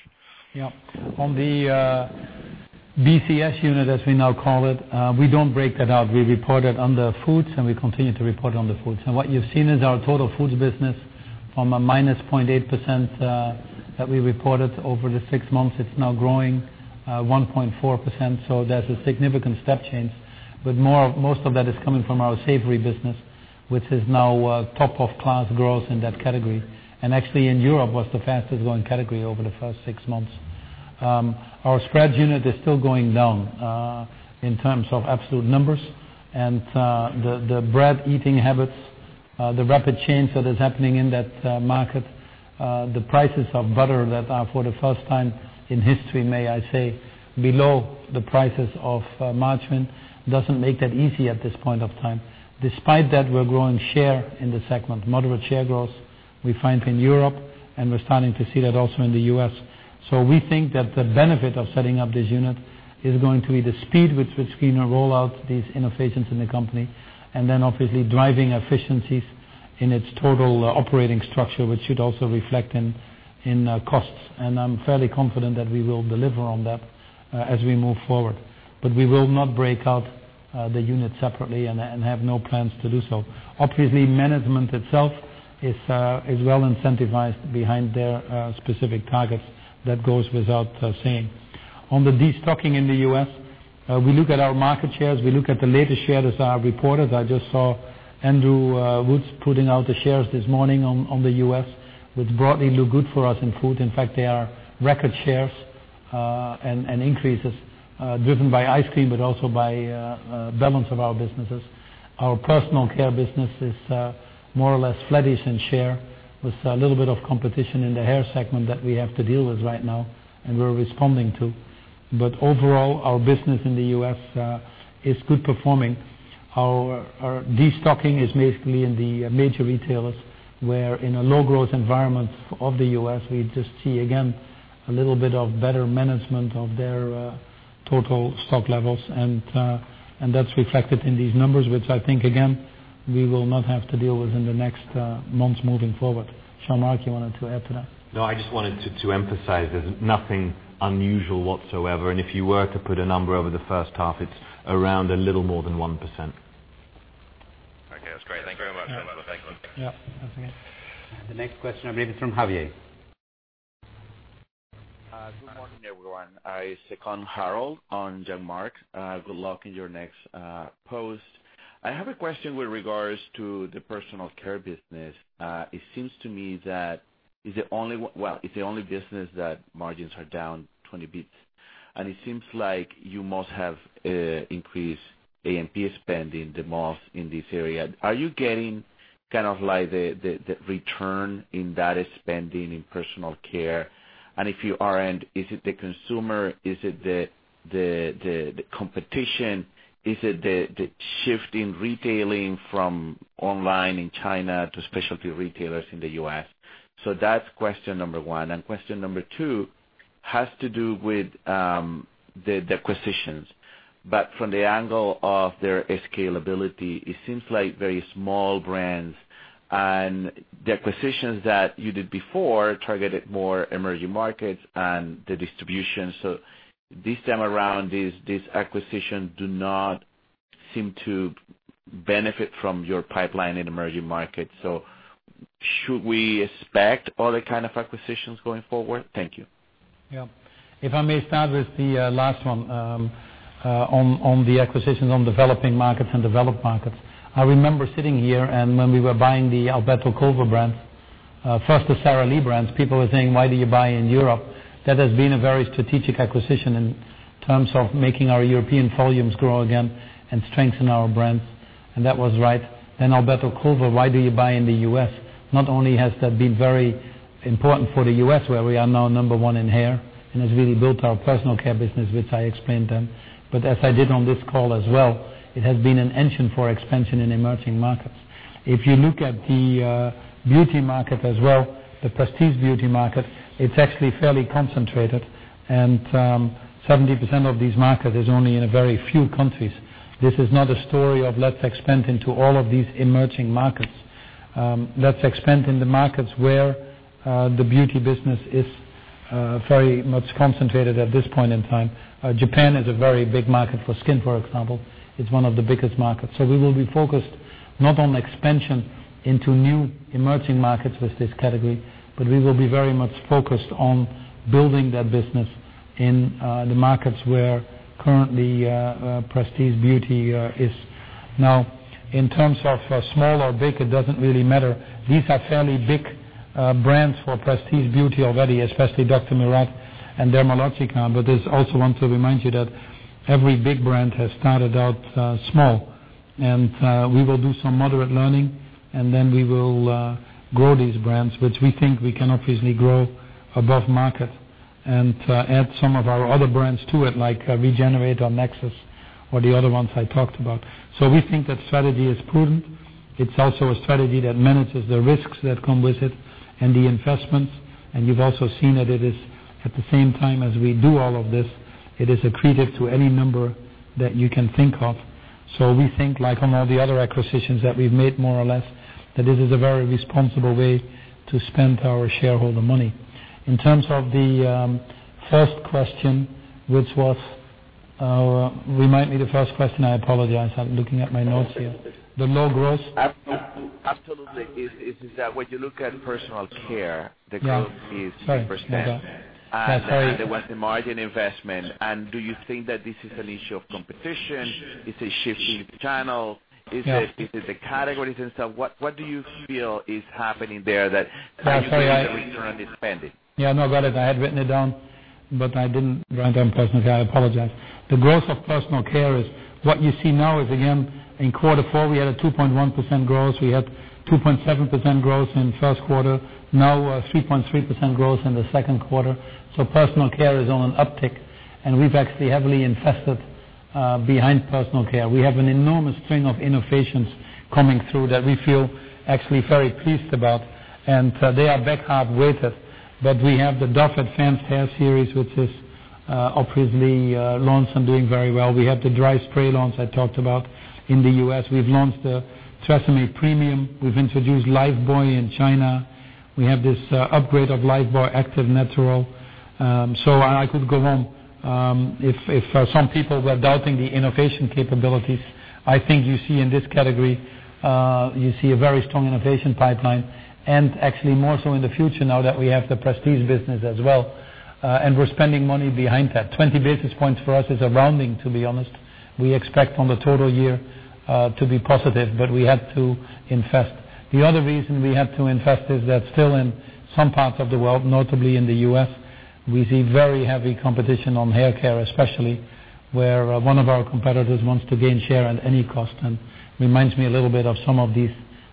Yeah. On the BCS unit, as we now call it, we don't break that out. We report it under foods, and we continue to report it under foods. What you've seen is our total foods business from a minus 0.8% that we reported over the six months, it's now growing 1.4%. There's a significant step change, but most of that is coming from our savory business, which is now top of class growth in that category. Actually in Europe was the fastest growing category over the first six months. Our spreads unit is still going down, in terms of absolute numbers and the bread eating habits, the rapid change that is happening in that market, the prices of butter that are for the first time in history, may I say, below the prices of margarine, doesn't make that easy at this point of time. Despite that, we're growing share in the segment. Moderate share growth we find in Europe, and we're starting to see that also in the U.S. We think that the benefit of setting up this unit is going to be the speed with which we can roll out these innovations in the company, and then obviously driving efficiencies in its total operating structure, which should also reflect in costs. I'm fairly confident that we will deliver on that as we move forward. We will not break out the unit separately and have no plans to do so. Obviously, management itself is well incentivized behind their specific targets. That goes without saying. On the de-stocking in the U.S., we look at our market shares, we look at the latest shares as reported. I just saw Andrew Wood putting out the shares this morning on the U.S., which broadly look good for us in food. In fact, they are record shares. Increases driven by ice cream, but also by balance of our businesses. Our personal care business is more or less flattish in share, with a little bit of competition in the hair segment that we have to deal with right now, and we're responding to. Overall, our business in the U.S. is good performing. Our destocking is basically in the major retailers, where in a low growth environment of the U.S., we just see, again, a little bit of better management of their total stock levels. That's reflected in these numbers, which I think, again, we will not have to deal with in the next months moving forward. Jean-Marc, you wanted to add to that? No, I just wanted to emphasize there's nothing unusual whatsoever. If you were to put a number over the first half, it's around a little more than 1%. Okay, that's great. Thank you very much. Yeah. That's it. The next question, I believe, is from Javier. Good morning, everyone. I second Harold on Jean-Marc. Good luck in your next post. I have a question with regards to the personal care business. It seems to me that, well, it's the only business that margins are down 20 basis points. It seems like you must have increased AMP spending the most in this area. Are you getting the return in that spending in personal care? If you aren't, is it the consumer? Is it the competition? Is it the shift in retailing from online in China to specialty retailers in the U.S.? That's question number 1. Question number 2 has to do with the acquisitions, but from the angle of their scalability. It seems like very small brands, and the acquisitions that you did before targeted more emerging markets and the distribution. This time around, these acquisitions do not seem to benefit from your pipeline in emerging markets. Should we expect other kind of acquisitions going forward? Thank you. Yeah. If I may start with the last one, on the acquisitions on developing markets and developed markets. I remember sitting here, when we were buying the Alberto-Culver brand, first the Sara Lee brands, people were saying, "Why do you buy in Europe?" That has been a very strategic acquisition in terms of making our European volumes grow again and strengthen our brands. That was right. Alberto-Culver, "Why do you buy in the U.S.?" Not only has that been very important for the U.S., where we are now number 1 in hair, and has really built our personal care business, which I explained then, but as I did on this call as well, it has been an engine for expansion in emerging markets. If you look at the beauty market as well, the prestige beauty market, it's actually fairly concentrated, and 70% of this market is only in a very few countries. This is not a story of let's expand into all of these emerging markets. Let's expand in the markets where the beauty business is very much concentrated at this point in time. Japan is a very big market for skin, for example. It's one of the biggest markets. We will be focused not on expansion into new emerging markets with this category, but we will be very much focused on building that business in the markets where currently prestige beauty is. Now, in terms of small or big, it doesn't really matter. These are fairly big brands for prestige beauty already, especially Dr. Murad and Dermalogica. I also want to remind you that every big brand has started out small. We will do some moderate learning, then we will grow these brands, which we think we can obviously grow above market and add some of our other brands to it, like Regenerate or Nexxus or the other ones I talked about. We think that strategy is prudent. It is also a strategy that manages the risks that come with it and the investments. You have also seen that it is at the same time as we do all of this, it is accretive to any number that you can think of. We think, like on all the other acquisitions that we have made, more or less, that it is a very responsible way to spend our shareholder money. In terms of the first question, which was Remind me the first question, I apologize. I am looking at my notes here. The low growth. Absolutely. It is that when you look at personal care, the growth- Yeah. Sorry is 3%. Yeah. Sorry. There was the margin investment. Do you think that this is an issue of competition? Is it shifting channel? Yeah. Is it the categories itself? What do you feel is happening there? I'm sorry kind of the return is spending? Yeah, no, got it. I had written it down, but I didn't write down personal care. I apologize. The growth of personal care is, what you see now is again, in quarter four, we had a 2.1% growth. We had 2.7% growth in first quarter, now a 3.3% growth in the second quarter. Personal care is on an uptick, and we've actually heavily invested behind personal care. We have an enormous string of innovations coming through that we feel actually very pleased about, and they are back half weighted. We have the Dove Advanced Hair Series, which has obviously launched and doing very well. We have the dry spray launch I talked about in the U.S. We've launched the TRESemmé premium. We've introduced Lifebuoy in China. We have this upgrade of Lifebuoy Active Natural. I could go on. If some people were doubting the innovation capabilities, I think you see in this category, you see a very strong innovation pipeline, and actually more so in the future now that we have the prestige business as well. We're spending money behind that. 20 basis points for us is a rounding, to be honest. We expect from the total year to be positive, but we had to invest. The other reason we had to invest is that still in some parts of the world, notably in the U.S., we see very heavy competition on hair care especially, where one of our competitors wants to gain share at any cost and reminds me a little bit of some of these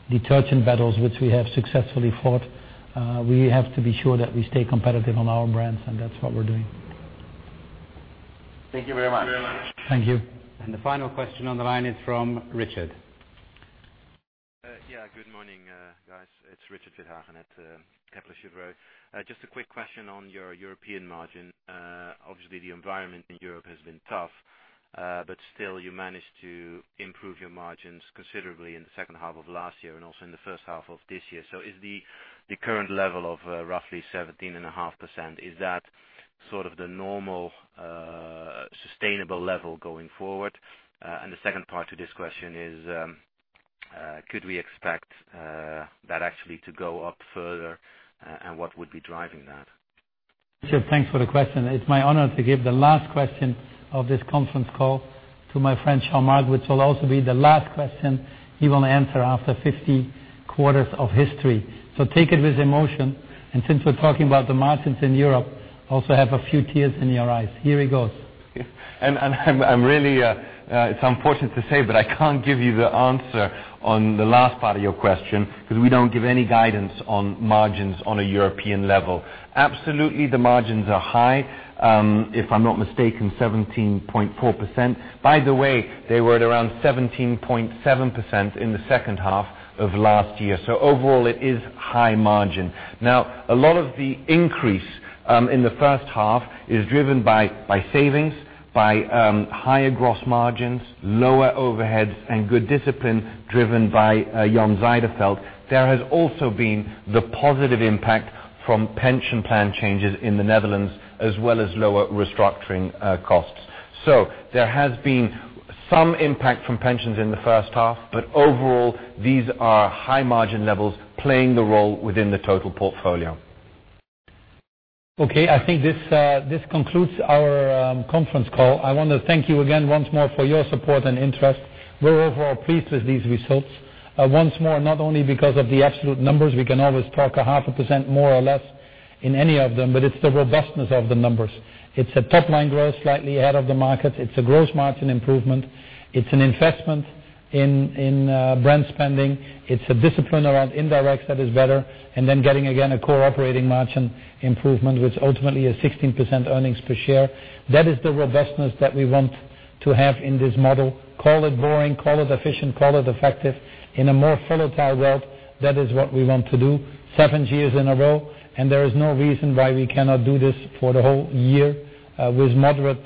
detergent battles which we have successfully fought. We have to be sure that we stay competitive on our brands, and that's what we're doing. Thank you very much. Thank you. The final question on the line is from Richard. Yeah. Good morning, guys. It's Richard Withagen at Kepler Cheuvreux. Just a quick question on your European margin. Obviously, the environment in Europe has been tough, still you managed to improve your margins considerably in the second half of last year and also in the first half of this year. Is the current level of roughly 17.5%, is that sort of the normal, sustainable level going forward? The second part to this question is, could we expect that actually to go up further, and what would be driving that? Richard, thanks for the question. It's my honor to give the last question of this conference call to my friend, Jean-Marc, which will also be the last question he will answer after 50 quarters of history. Take it with emotion, and since we're talking about the margins in Europe, also have a few tears in your eyes. Here he goes. It's unfortunate to say, I can't give you the answer on the last part of your question because we don't give any guidance on margins on a European level. Absolutely, the margins are high. If I'm not mistaken, 17.4%. By the way, they were at around 17.7% in the second half of last year. Overall, it is high margin. A lot of the increase in the first half is driven by savings, by higher gross margins, lower overheads, and good discipline driven by Jan Zijderveld. There has also been the positive impact from pension plan changes in the Netherlands, as well as lower restructuring costs. There has been some impact from pensions in the first half, but overall, these are high margin levels playing the role within the total portfolio. I think this concludes our conference call. I want to thank you again once more for your support and interest. We're overall pleased with these results. Once more, not only because of the absolute numbers, we can always talk a half a % more or less in any of them, but it's the robustness of the numbers. It's a top-line growth slightly ahead of the market. It's a gross margin improvement. It's an investment in brand spending. It's a discipline around indirect that is better, then getting, again, a core operating margin improvement, which ultimately is 16% earnings per share. That is the robustness that we want to have in this model. Call it boring, call it efficient, call it effective. In a more volatile world, that is what we want to do seven years in a row, there is no reason why we cannot do this for the whole year, with moderate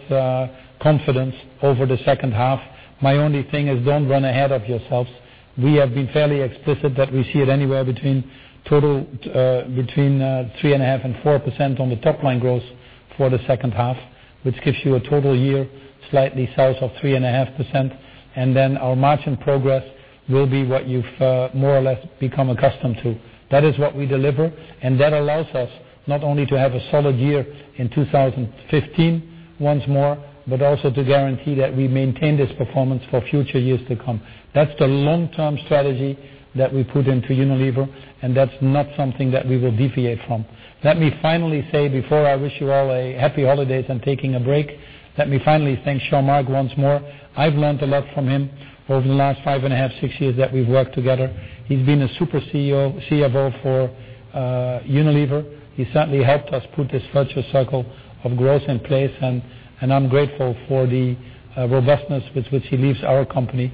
confidence over the second half. My only thing is don't run ahead of yourselves. We have been fairly explicit that we see it anywhere between 3.5% and 4% on the top-line growth for the second half, which gives you a total year slightly south of 3.5%, our margin progress will be what you've more or less become accustomed to. That is what we deliver, that allows us not only to have a solid year in 2015 once more, but also to guarantee that we maintain this performance for future years to come. That's the long-term strategy that we put into Unilever, that's not something that we will deviate from. Let me finally say before I wish you all a happy holidays and taking a break, let me finally thank Jean-Marc once more. I've learned a lot from him over the last five and a half, six years that we've worked together. He's been a super CFO for Unilever. He certainly helped us put this virtuous circle of growth in place, and I'm grateful for the robustness with which he leaves our company.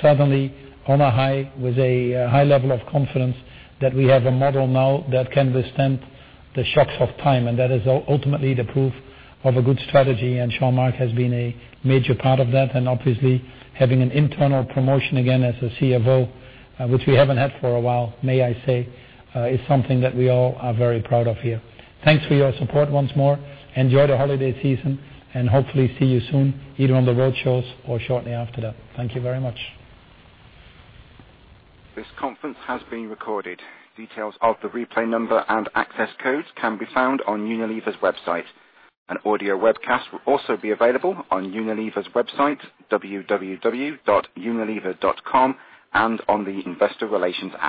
Certainly, on a high, with a high level of confidence that we have a model now that can withstand the shocks of time, and that is ultimately the proof of a good strategy. Jean-Marc has been a major part of that, and obviously, having an internal promotion again as a CFO, which we haven't had for a while, may I say, is something that we all are very proud of here. Thanks for your support once more. Enjoy the holiday season, and hopefully see you soon either on the roadshows or shortly after that. Thank you very much. This conference has been recorded. Details of the replay number and access codes can be found on Unilever's website. An audio webcast will also be available on Unilever's website, www.unilever.com, and on the investor relations app.